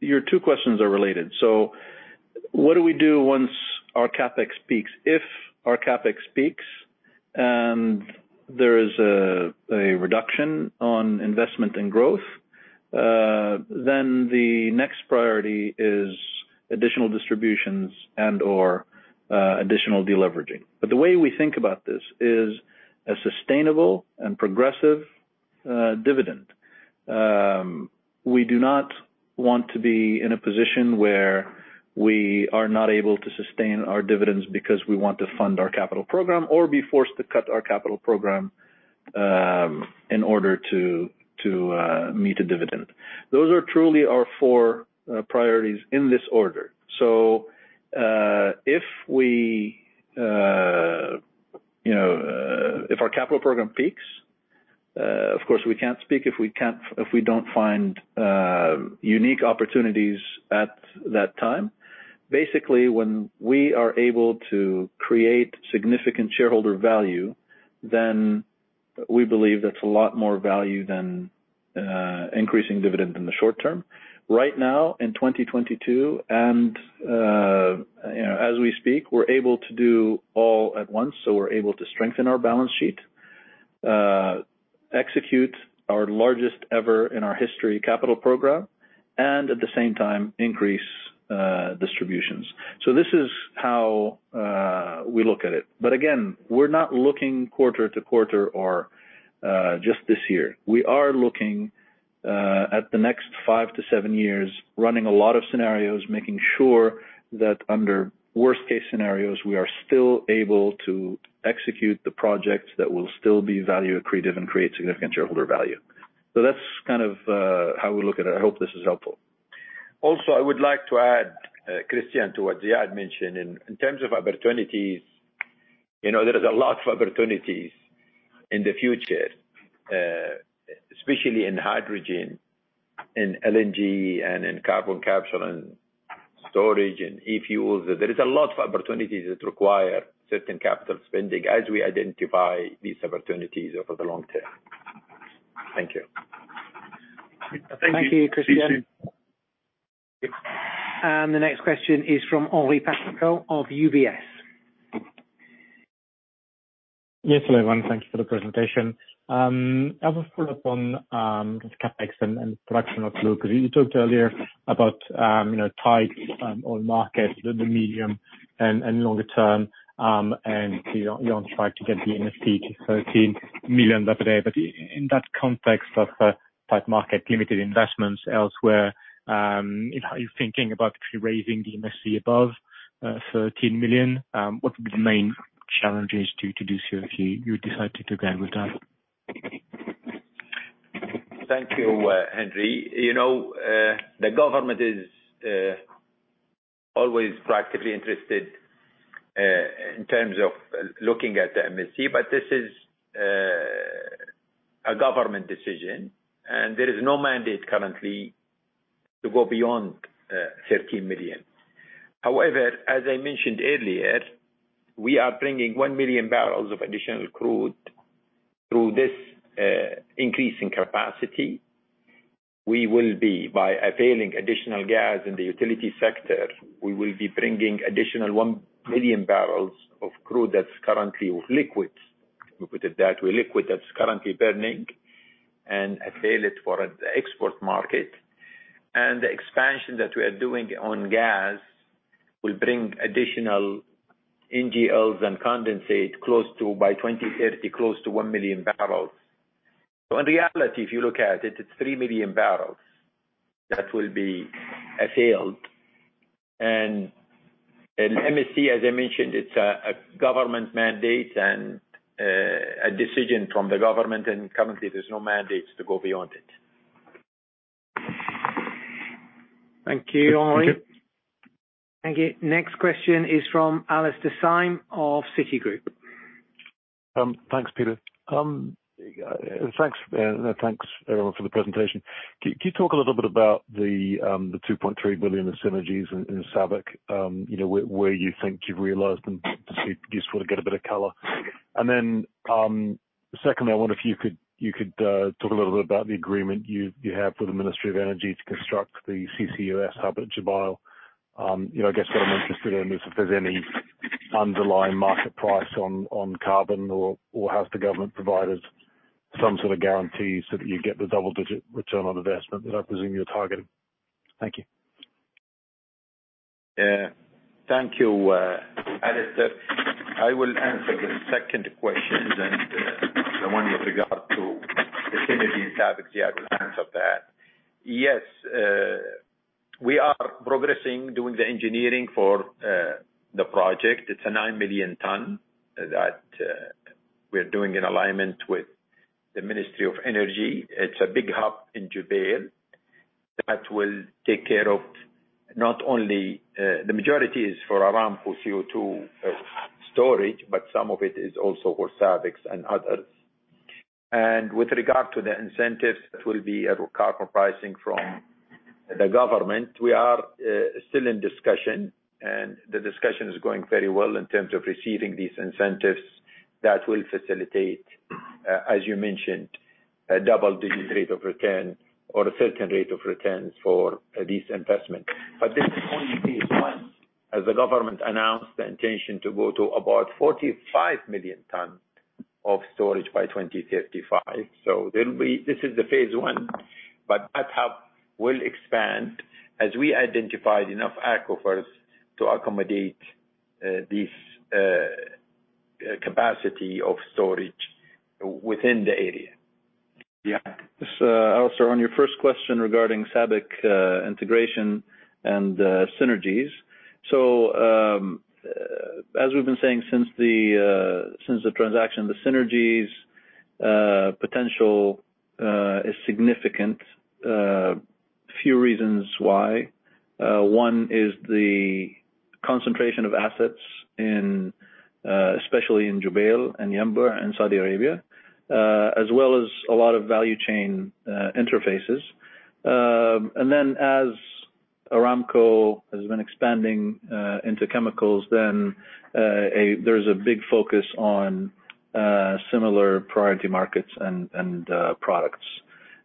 Your two questions are related. What do we do once our CapEx peaks? If our CapEx peaks and there is a reduction on investment and growth, then the next priority is additional distributions and/or additional deleveraging. The way we think about this is a sustainable and progressive dividend. We do not want to be in a position where we are not able to sustain our dividends because we want to fund our capital program or be forced to cut our capital program in order to meet a dividend. Those are truly our four priorities in this order. If we, you know, if our capital program peaks, of course, if we don't find unique opportunities at that time. Basically, when we are able to create significant shareholder value, then we believe that's a lot more value than increasing dividend in the short term. Right now, in 2022 and, you know, as we speak, we're able to do all at once. We're able to strengthen our balance sheet, execute our largest ever in our history capital program, and at the same time increase distributions. This is how we look at it. Again, we're not looking quarter to quarter or just this year. We are looking at the next five to seven years, running a lot of scenarios, making sure that under worst case scenarios, we are still able to execute the projects that will still be value accretive and create significant shareholder value. That's kind of how we look at it. I hope this is helpful. I would like to add, Christyan, to what Ziad mentioned. In terms of opportunities, you know, there is a lot of opportunities in the future, especially in hydrogen, in LNG and in carbon capture and storage and e-fuels. There is a lot of opportunities that require certain capital spending as we identify these opportunities over the long term. Thank you. Thank you, Christyan. The next question is from Henri Patricot of UBS. Yes, everyone. Thank you for the presentation. I was follow-up on the CapEx and production outlook. You talked earlier about, you know, tight oil markets in the medium and longer term, you're on track to get the MSC to 13 million by today. In that context of tight market limited investments elsewhere, how are you thinking about actually raising the MSC above 13 million? What would be the main challenges to do so if you decided to go with that? Thank you, Henri. You know, the government is always practically interested in terms of looking at the MSC, but this is a government decision, and there is no mandate currently to go beyond 13 million. As I mentioned earlier, we are bringing 1 million bbl of additional crude through this increase in capacity. We will be bringing additional 1 million bbl of crude that's currently with liquids. We put it that way, liquid that's currently burning and avail it for the export market. The expansion that we are doing on gas will bring additional NGLs and condensate close to, by 2030, close to 1 million bbl. In reality, if you look at it's 3 million bbl that will be availed. MSC, as I mentioned, it's a government mandate and a decision from the government, and currently there's no mandates to go beyond it. Thank you, Henri. Thank you. Thank you. Next question is from Alastair Syme of Citigroup. Thanks, Peter. Thanks, everyone for the presentation. Can you talk a little bit about the $2.3 billion in synergies in SABIC, you know, where you think you've realized and it'd be useful to get a bit of color? Secondly, I wonder if you could talk a little bit about the agreement you have with the Ministry of Energy to construct the CCUS hub at Jubail. You know, I guess what I'm interested in is if there's any underlying market price on carbon or has the government provided some sort of guarantee so that you get the double-digit return on investment that I presume you're targeting? Thank you. Thank you, Alastair. I will answer the second question then, the one with regard to the synergies at SABIC, Ziad will answer that. Yes, we are progressing doing the engineering for the project. It's a 9 million ton that we're doing in alignment with the Ministry of Energy. It's a big hub in Jubail that will take care of not only, the majority is for Aramco CO₂ storage, but some of it is also for SABIC's and others. With regard to the incentives, it will be a recovery pricing from the government. We are still in discussion, and the discussion is going very well in terms of receiving these incentives that will facilitate, as you mentioned, a double-digit rate of return or a certain rate of return for this investment. This is only phase one as the government announced the intention to go to about 45 million tons of storage by 2035. This is the phase one, but that hub will expand as we identified enough aquifers to accommodate this capacity of storage within the area. Alastair on your first question regarding SABIC integration and synergies. As we've been saying since the transaction, the synergies potential is significant. Few reasons why. One is the concentration of assets in especially in Jubail and Yanbu in Saudi Arabia, as well as a lot of value chain interfaces. As Aramco has been expanding into chemicals then there's a big focus on similar priority markets and products.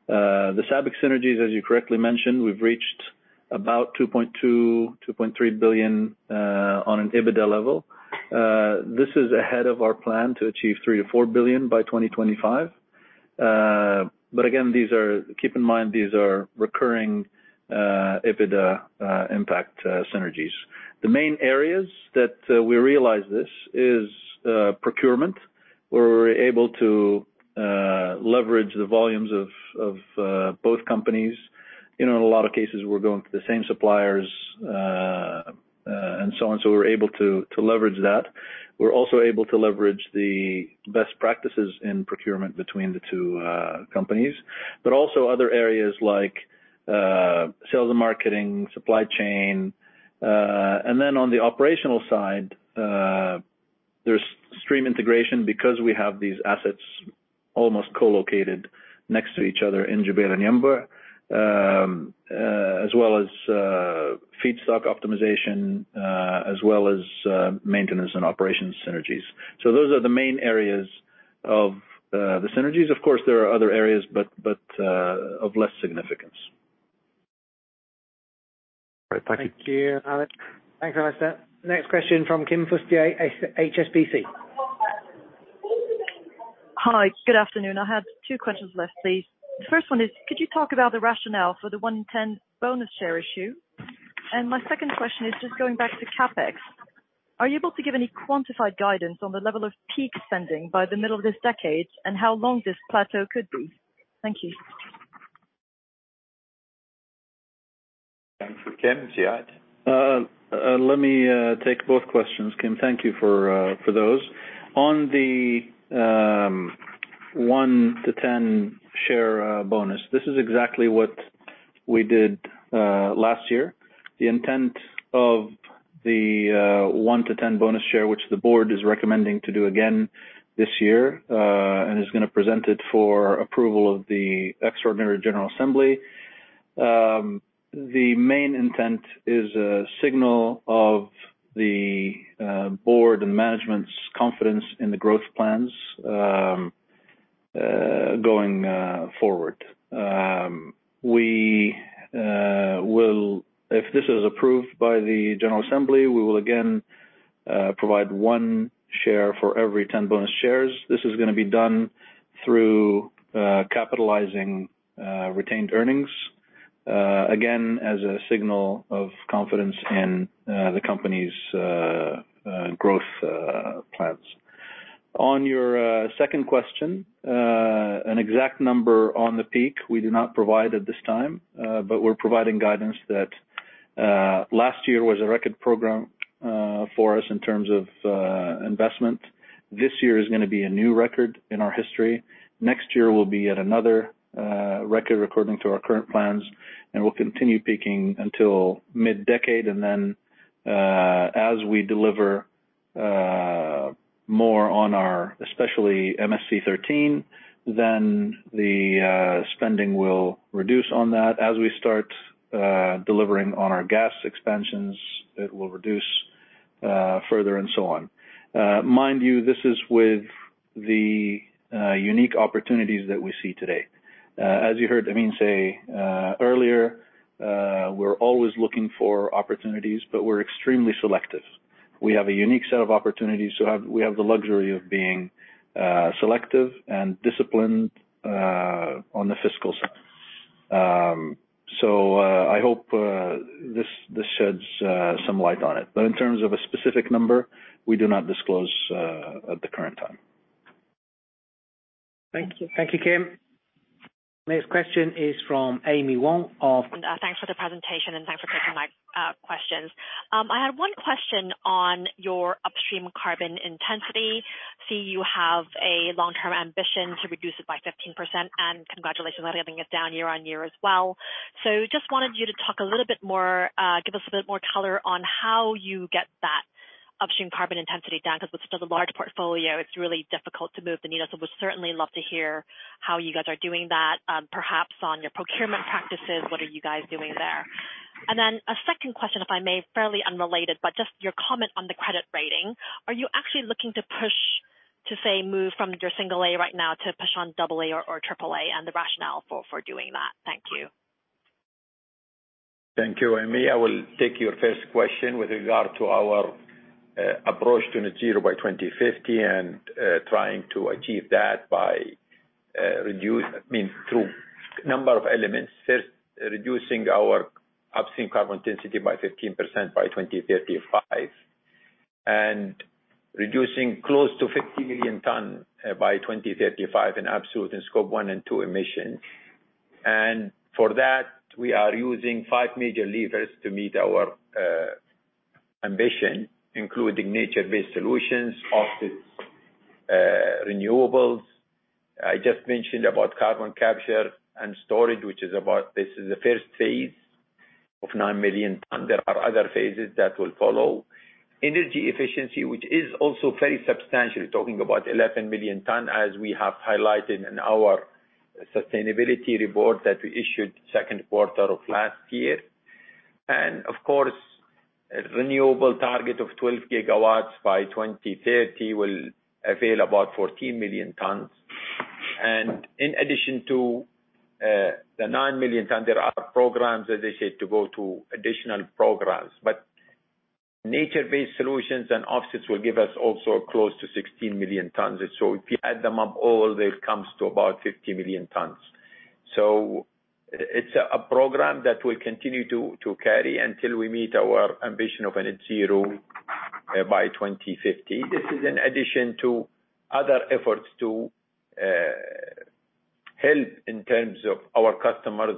The SABIC synergies, as you correctly mentioned, we've reached about $2.2 billion-$2.3 billion on an EBITDA level. This is ahead of our plan to achieve $3 billion-$4 billion by 2025. Again, Keep in mind, these are recurring EBITDA impact synergies. The main areas that we realize this is procurement, where we're able to leverage the volumes of both companies. You know, in a lot of cases, we're going to the same suppliers and so on. We're able to leverage that. We're also able to leverage the best practices in procurement between the two companies, but also other areas like sales and marketing, supply chain. On the operational side, there's stream integration because we have these assets almost co-located next to each other in Jubail and Yanbu. As well as feedstock optimization, as well as maintenance and operations synergies. Those are the main areas of the synergies. Of course, there are other areas, but of less significance. All right. Thank you. Thank you, Alastair. Next question from Kim Fustier, HSBC. Hi, good afternoon. I have two questions left, please. The first one is, could you talk about the rationale for the one in 10 bonus share issue? My second question is just going back to CapEx. Are you able to give any quantified guidance on the level of peak spending by the middle of this decade, and how long this plateau could be? Thank you. Thanks for that Kim. Ziad. Let me take both questions. Kim, thank you for those. On the one-to-10 share bonus, this is exactly what we did last year. The intent of the one-to-10 bonus share, which the board is recommending to do again this year, and is gonna present it for approval of the Extraordinary General Assembly. The main intent is a signal of the board and management's confidence in the growth plans going forward. If this is approved by the General Assembly, we will again provide one share for every 10 bonus shares. This is gonna be done through capitalizing retained earnings again as a signal of confidence in the company's growth plans. On your second question, an exact number on the peak, we do not provide at this time, but we're providing guidance that last year was a record program for us in terms of investment. This year is gonna be a new record in our history. Next year will be at another record according to our current plans, and we'll continue peaking until mid-decade. As we deliver more on our, especially MSC 13, then the spending will reduce on that. As we start delivering on our gas expansions, it will reduce further and so on. Mind you, this is with the unique opportunities that we see today. As you heard Amin say earlier, we're always looking for opportunities, but we're extremely selective. We have a unique set of opportunities, we have the luxury of being selective and disciplined on the fiscal side. I hope this sheds some light on it. In terms of a specific number, we do not disclose at the current time. Thank you. Thank you, Kim. Next question is from Amy Wong of- Thanks for the presentation and thanks for taking my questions. I had one question on your upstream carbon intensity. See, you have a long-term ambition to reduce it by 15%, and congratulations on getting it down year-on-year as well. Just wanted you to talk a little bit more, give us a bit more color on how you get that upstream carbon intensity down, because with such a large portfolio it's really difficult to move the needle. Would certainly love to hear how you guys are doing that, perhaps on your procurement practices. What are you guys doing there? Then a second question, if I may, fairly unrelated, but just your comment on the credit rating. Are you actually looking to push to, say, move from your single A right now to push on AA or AAA, and the rationale for doing that? Thank you. Thank you, Amy. I will take your first question with regard to our approach to net zero by 2050, and trying to achieve that by I mean, through number of elements. First, reducing our upstream carbon intensity by 15% by 2035, and reducing close to 50 million tons by 2035 in absolute in Scope 1 and 2 emissions. For that, we are using five major levers to meet our ambition, including nature-based solutions, offsets, renewables. I just mentioned about carbon capture and storage, which is about. This is the first phase of 9 million tons. There are other phases that will follow. Energy efficiency, which is also very substantial, talking about 11 million tons, as we have highlighted in our sustainability report that we issued second quarter of last year. Of course, a renewable target of 12 GW by 2030 will avail about 14 million tons. In addition to the 9 million tons, there are programs, as I said, to go to additional programs. Nature-based solutions and offsets will give us also close to 16 million tons. If you add them up all, that comes to about 50 million tons. It's a program that we'll continue to carry until we meet our ambition of net zero by 2050. This is an addition to other efforts to help in terms of our customers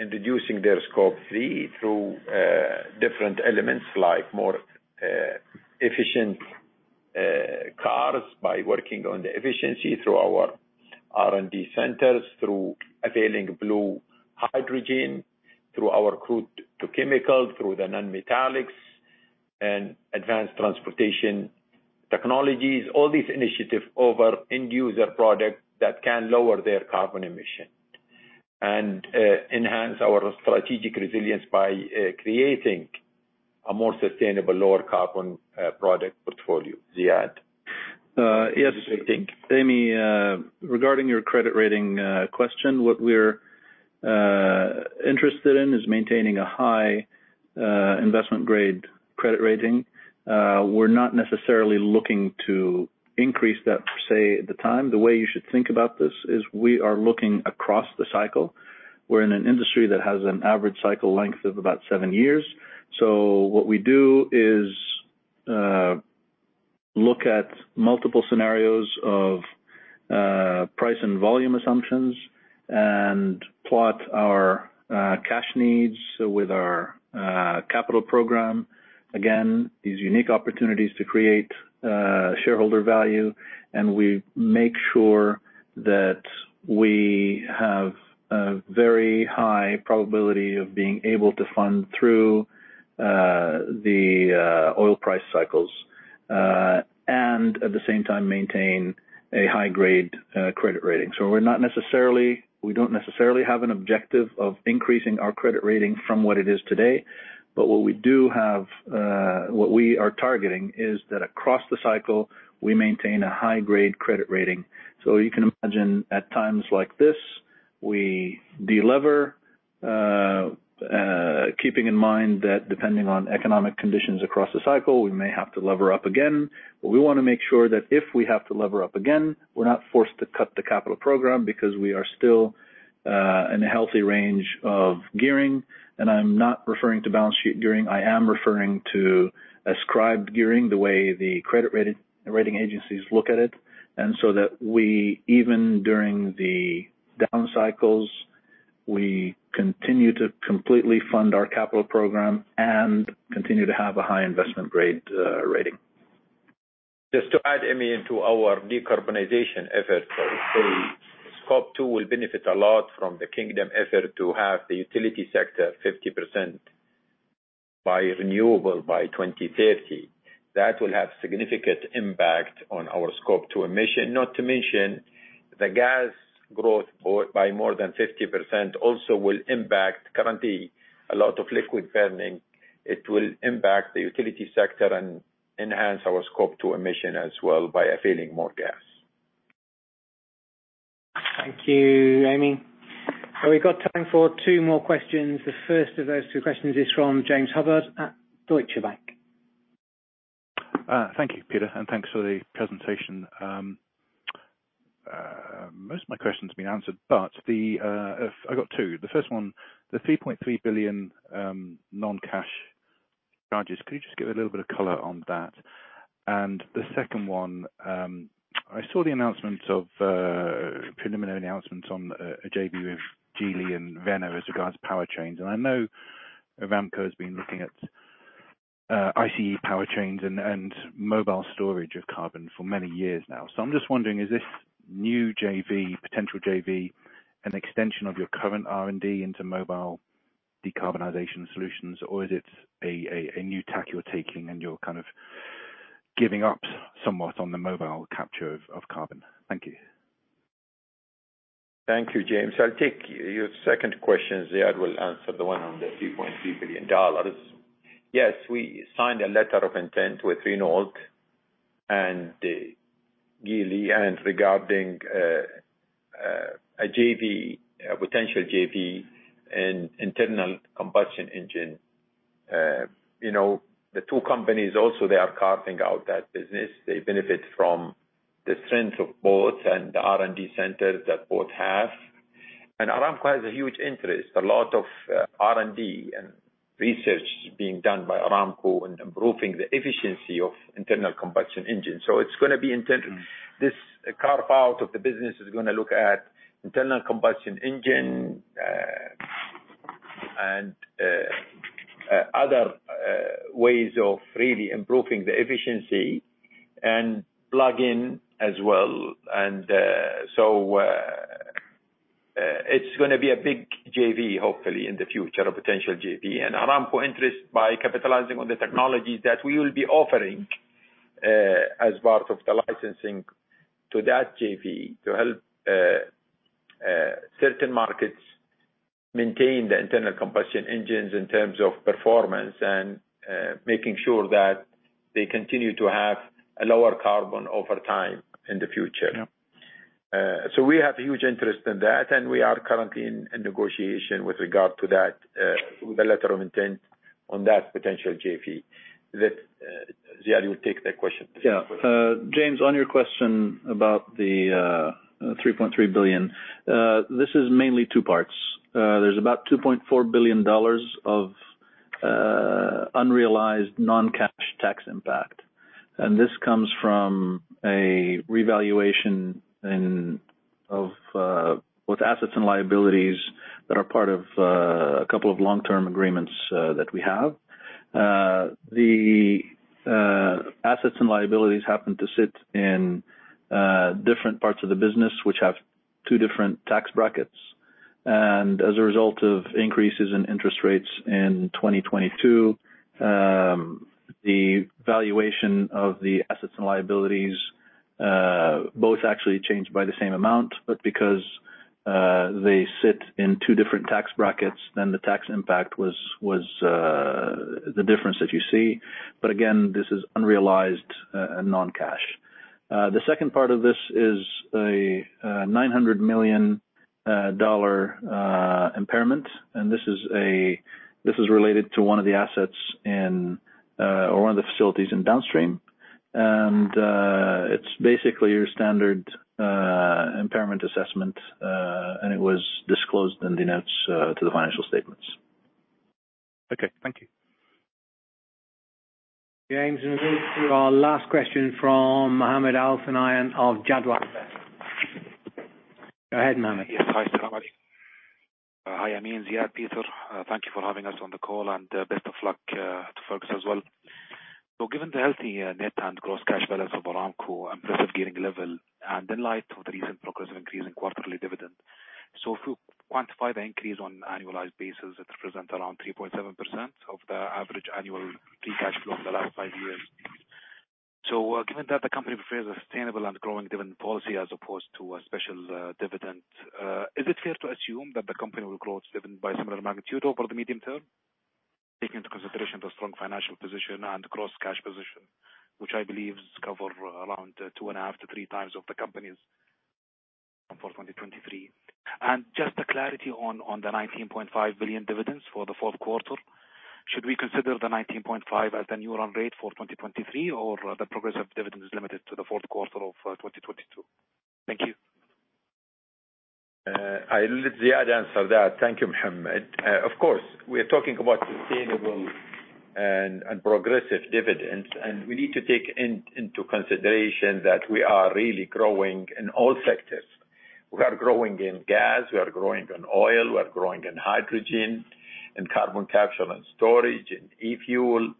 in reducing their Scope 3 through different elements like more efficient cars by working on the efficiency through our R&D centers, through availing blue hydrogen, through our crude to chemical, through the non-metallics and advanced transportation technologies. All these initiatives over end user product that can lower their carbon emission and enhance our strategic resilience by creating a more sustainable lower carbon product portfolio. Ziad. Yes. Thank you. Amy, regarding your credit rating, question, what we're interested in is maintaining a high investment grade credit rating. We're not necessarily looking to increase that, say, at the time. The way you should think about this is we are looking across the cycle. We're in an industry that has an average cycle length of about seven years. What we do is look at multiple scenarios of price and volume assumptions and plot our cash needs with our capital program. Again, these unique opportunities to create shareholder value, we make sure that we have a very high probability of being able to fund through the oil price cycles and at the same time maintain a high-grade credit rating. We don't necessarily have an objective of increasing our credit rating from what it is today. What we do have, what we are targeting is that across the cycle, we maintain a high grade credit rating. You can imagine at times like this, we de-lever, keeping in mind that depending on economic conditions across the cycle, we may have to lever up again. We wanna make sure that if we have to lever up again, we're not forced to cut the capital program because we are still in a healthy range of gearing. I'm not referring to balance sheet gearing, I am referring to ascribed gearing, the way the credit rating agencies look at it. We continue to completely fund our capital program and continue to have a high investment grade rating. Just to add, Amy, into our decarbonization effort. Scope 2 will benefit a lot from the Kingdom effort to have the utility sector 50% by renewable by 2030. That will have significant impact on our Scope 2 emission. Not to mention, the gas growth bought by more than 50% also will impact currently a lot of liquid-burning. It will impact the utility sector and enhance our Scope 2 emission as well by filling more gas. Thank you, Amy. We got time for two more questions. The first of those two questions is from James Hubbard at Deutsche Bank. Thank you, Peter, and thanks for the presentation. Most of my questions have been answered, I've got two. The first one, the $3.3 billion non-cash charges. Could you just give a little bit of color on that? The second one, I saw the announcement of preliminary announcements on a JV with Geely and Renault as regards power trains. I know Aramco has been looking at ICE power trains and mobile storage of carbon for many years now. I'm just wondering, is this new JV, potential JV an extension of your current R&D into mobile decarbonization solutions? Is it a new tack you're taking, and you're kind of giving up somewhat on the mobile capture of carbon? Thank you. Thank you, James. I'll take your second question. Ziad will answer the one on the $3.3 billion. Yes, we signed a letter of intent with Renault and Geely regarding a JV, a potential JV in internal combustion engine. You know, the two companies also they are carving out that business. They benefit from the strength of both and the R&D centers that both have. Aramco has a huge interest. A lot of R&D and research being done by Aramco in improving the efficiency of internal combustion engine. This carve-out of the business is gonna look at internal combustion engine and other ways of really improving the efficiency and plug-in as well. It's gonna be a big JV, hopefully in the future, a potential JV. Aramco interest by capitalizing on the technologies that we will be offering as part of the licensing to that JV to help certain markets maintain the internal combustion engines in terms of performance and making sure that they continue to have a lower carbon over time in the future. Yeah. We have huge interest in that, and we are currently in negotiation with regard to that, with the letter of intent on that potential JV. Let Ziad will take that question. Yeah. James, on your question about the $3.3 billion. This is mainly two parts. There's about $2.4 billion of unrealized non-cash tax impact. This comes from a revaluation and of both assets and liabilities that are part of a couple of long-term agreements that we have. The assets and liabilities happen to sit in different parts of the business, which have two different tax brackets. As a result of increases in interest rates in 2022, the valuation of the assets and liabilities, both actually changed by the same amount, but because they sit in two different tax brackets, then the tax impact was the difference that you see. Again, this is unrealized, non-cash. The second part of this is a $900 million impairment, and this is related to one of the assets in or one of the facilities in downstream. It's basically your standard impairment assessment, and it was disclosed in the notes to the financial statements. Okay. Thank you. Thank you James. We'll go to our last question from Mohammed Al-Thunayan of Jadwa. Go ahead, Mohammed. Yes. Hi. Hi, Amin, Ziad, Peter. Thank you for having us on the call and best of luck to Fergus as well. Given the healthy net and gross cash balance of Aramco, impressive gearing level, and in light of the recent progress of increasing quarterly dividend, if you quantify the increase on annualized basis, it represent around 3.7% of the average annual free cash flow for the last five years. Given that the company prefers a sustainable and growing dividend policy as opposed to a special dividend, is it fair to assume that the company will grow its dividend by similar magnitude over the medium term, taking into consideration the strong financial position and gross cash position, which I believe cover around 2.5x-3x of the company's for 2023? Just a clarity on the $19.5 billion dividends for the fourth quarter. Should we consider the $19.5 billion as the new run rate for 2023 or the progress of dividend is limited to the fourth quarter of 2022? Thank you. I'll let Ziad answer that. Thank you, Mohammed. Of course, we are talking about sustainable and progressive dividends. We need to take into consideration that we are really growing in all sectors. We are growing in gas, we are growing in oil, we are growing in hydrogen, in carbon capture and storage, in e-fuel.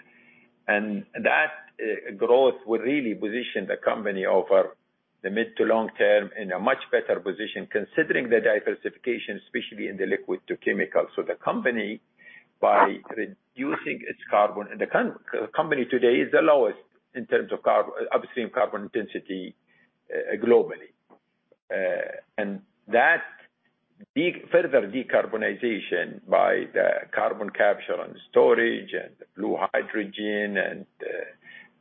That growth will really position the Company over the mid to long term in a much better position, considering the diversification, especially in the Liquids-to-Chemicals. The Company, by reducing its carbon in the Company today is the lowest in terms of upstream carbon intensity, globally. That further decarbonization by the carbon capture and storage, and the blue hydrogen, and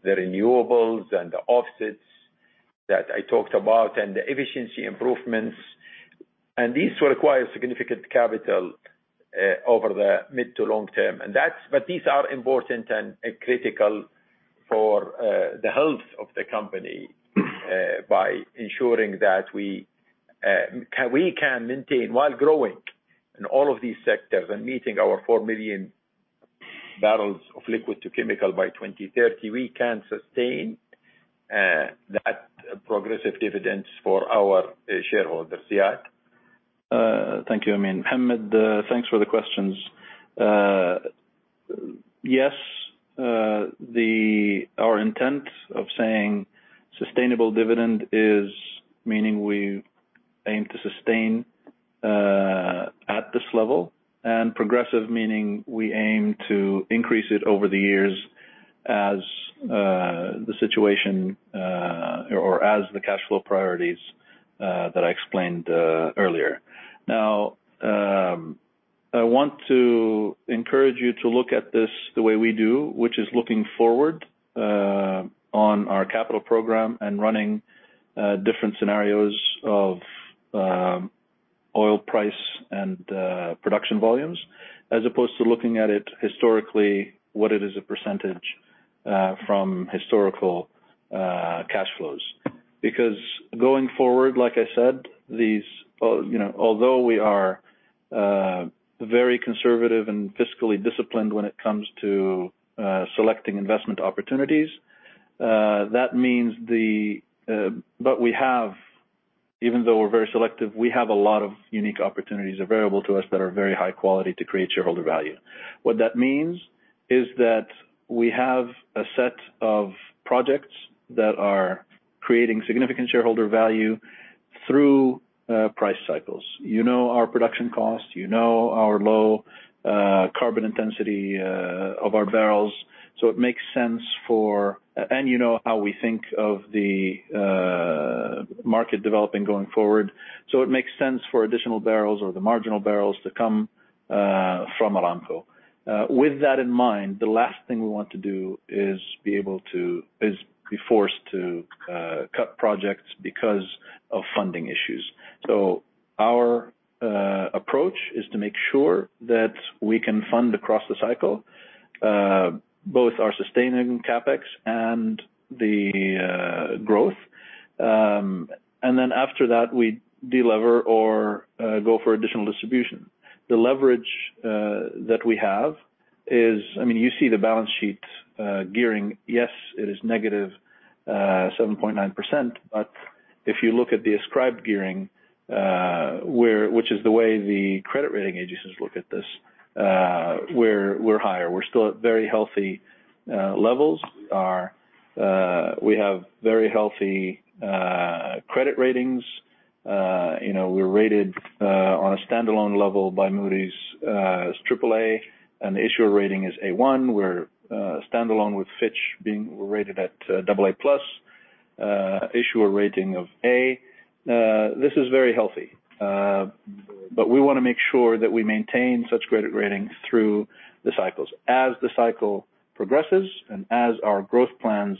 the renewables, and the offsets that I talked about, and the efficiency improvements. These will require significant capital over the mid to long term. These are important and critical for the health of the company, by ensuring that we can maintain while growing in all of these sectors and meeting our 4 million bbl of liquids-to-chemicals by 2030, we can sustain that progressive dividends for our shareholders. Ziad. Thank you, Amin. Mohammed, thanks for the questions. Yes, our intent of saying sustainable dividend is meaning we aim to sustain at this level, and progressive meaning we aim to increase it over the years as the situation or as the cash flow priorities that I explained earlier. Now, I want to encourage you to look at this the way we do, which is looking forward on our capital program and running different scenarios of oil price and production volumes, as opposed to looking at it historically what it is a percentage from historical cash flows. Going forward, like I said, these, you know, although we are very conservative and fiscally disciplined when it comes to selecting investment opportunities, that means the... We have, even though we're very selective, we have a lot of unique opportunities available to us that are very high quality to create shareholder value. What that means is that we have a set of projects that are creating significant shareholder value through price cycles. You know our production cost, you know our low carbon intensity of our barrels, so it makes sense for. And you know how we think of the market developing going forward, so it makes sense for additional barrels or the marginal barrels to come from Aramco. With that in mind, the last thing we want to do is be forced to cut projects because of funding issues. Our approach is to make sure that we can fund across the cycle, both our sustaining CapEx and the growth. Then after that, we de-lever or go for additional distribution. The leverage that we have, I mean, you see the balance sheet gearing. Yes, it is negative 7.9%. If you look at the ascribed gearing, which is the way the credit rating agencies look at this, we're higher. We're still at very healthy levels. We have very healthy credit ratings. You know, we're rated on a standalone level by Moody's as Aaa, and the issuer rating is A1. We're standalone with Fitch being rated at AA+, issuer rating of A. This is very healthy. We want to make sure that we maintain such credit ratings through the cycles. As the cycle progresses and as our growth plans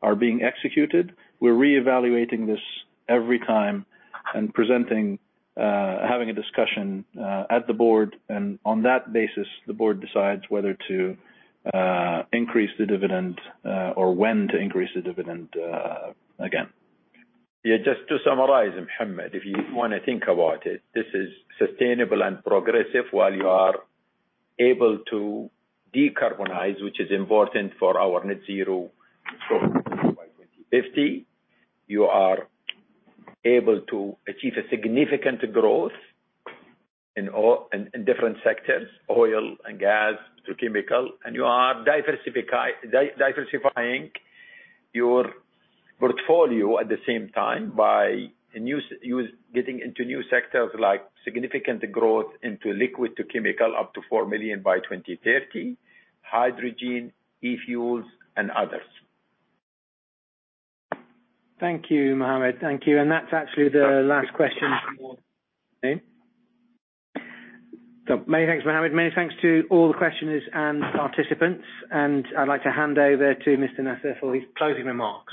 are being executed, we're re-evaluating this every time and presenting, having a discussion, at the board. On that basis, the board decides whether to increase the dividend, or when to increase the dividend, again. Yeah. Just to summarize, Mohammed, if you wanna think about it, this is sustainable and progressive while you are able to decarbonize, which is important for our net zero by 2050. You are able to achieve a significant growth in all, in different sectors, oil and gas to chemical, and you are diversifying your portfolio at the same time by us getting into new sectors like significant growth into Liquid to Chemical up to 4 million by 2030, hydrogen, e-fuels, and others. Thank you, Mohammed. Thank you. That's actually the last question. Many thanks, Mohammed. Many thanks to all the questioners and participants. I'd like to hand over to Mr. Nasser for his closing remarks.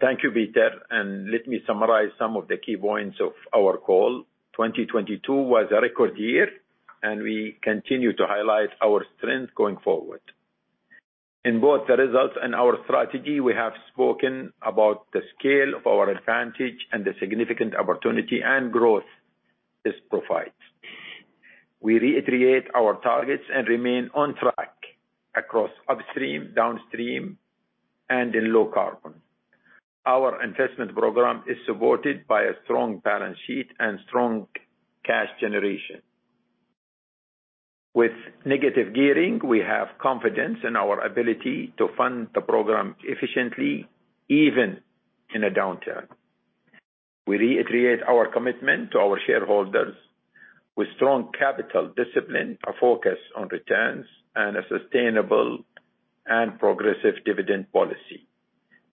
Thank you, Peter. Let me summarize some of the key points of our call. 2022 was a record year. We continue to highlight our strength going forward. In both the results and our strategy, we have spoken about the scale of our advantage and the significant opportunity and growth this provides. We reiterate our targets and remain on track across upstream, downstream, and in low carbon. Our investment program is supported by a strong balance sheet and strong cash generation. With negative gearing, we have confidence in our ability to fund the program efficiently, even in a downturn. We reiterate our commitment to our shareholders with strong capital discipline, a focus on returns, and a sustainable and progressive dividend policy.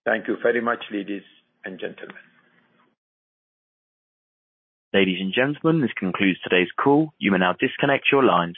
Thank you very much, ladies and gentlemen. Ladies and gentlemen, this concludes today's call. You may now disconnect your lines.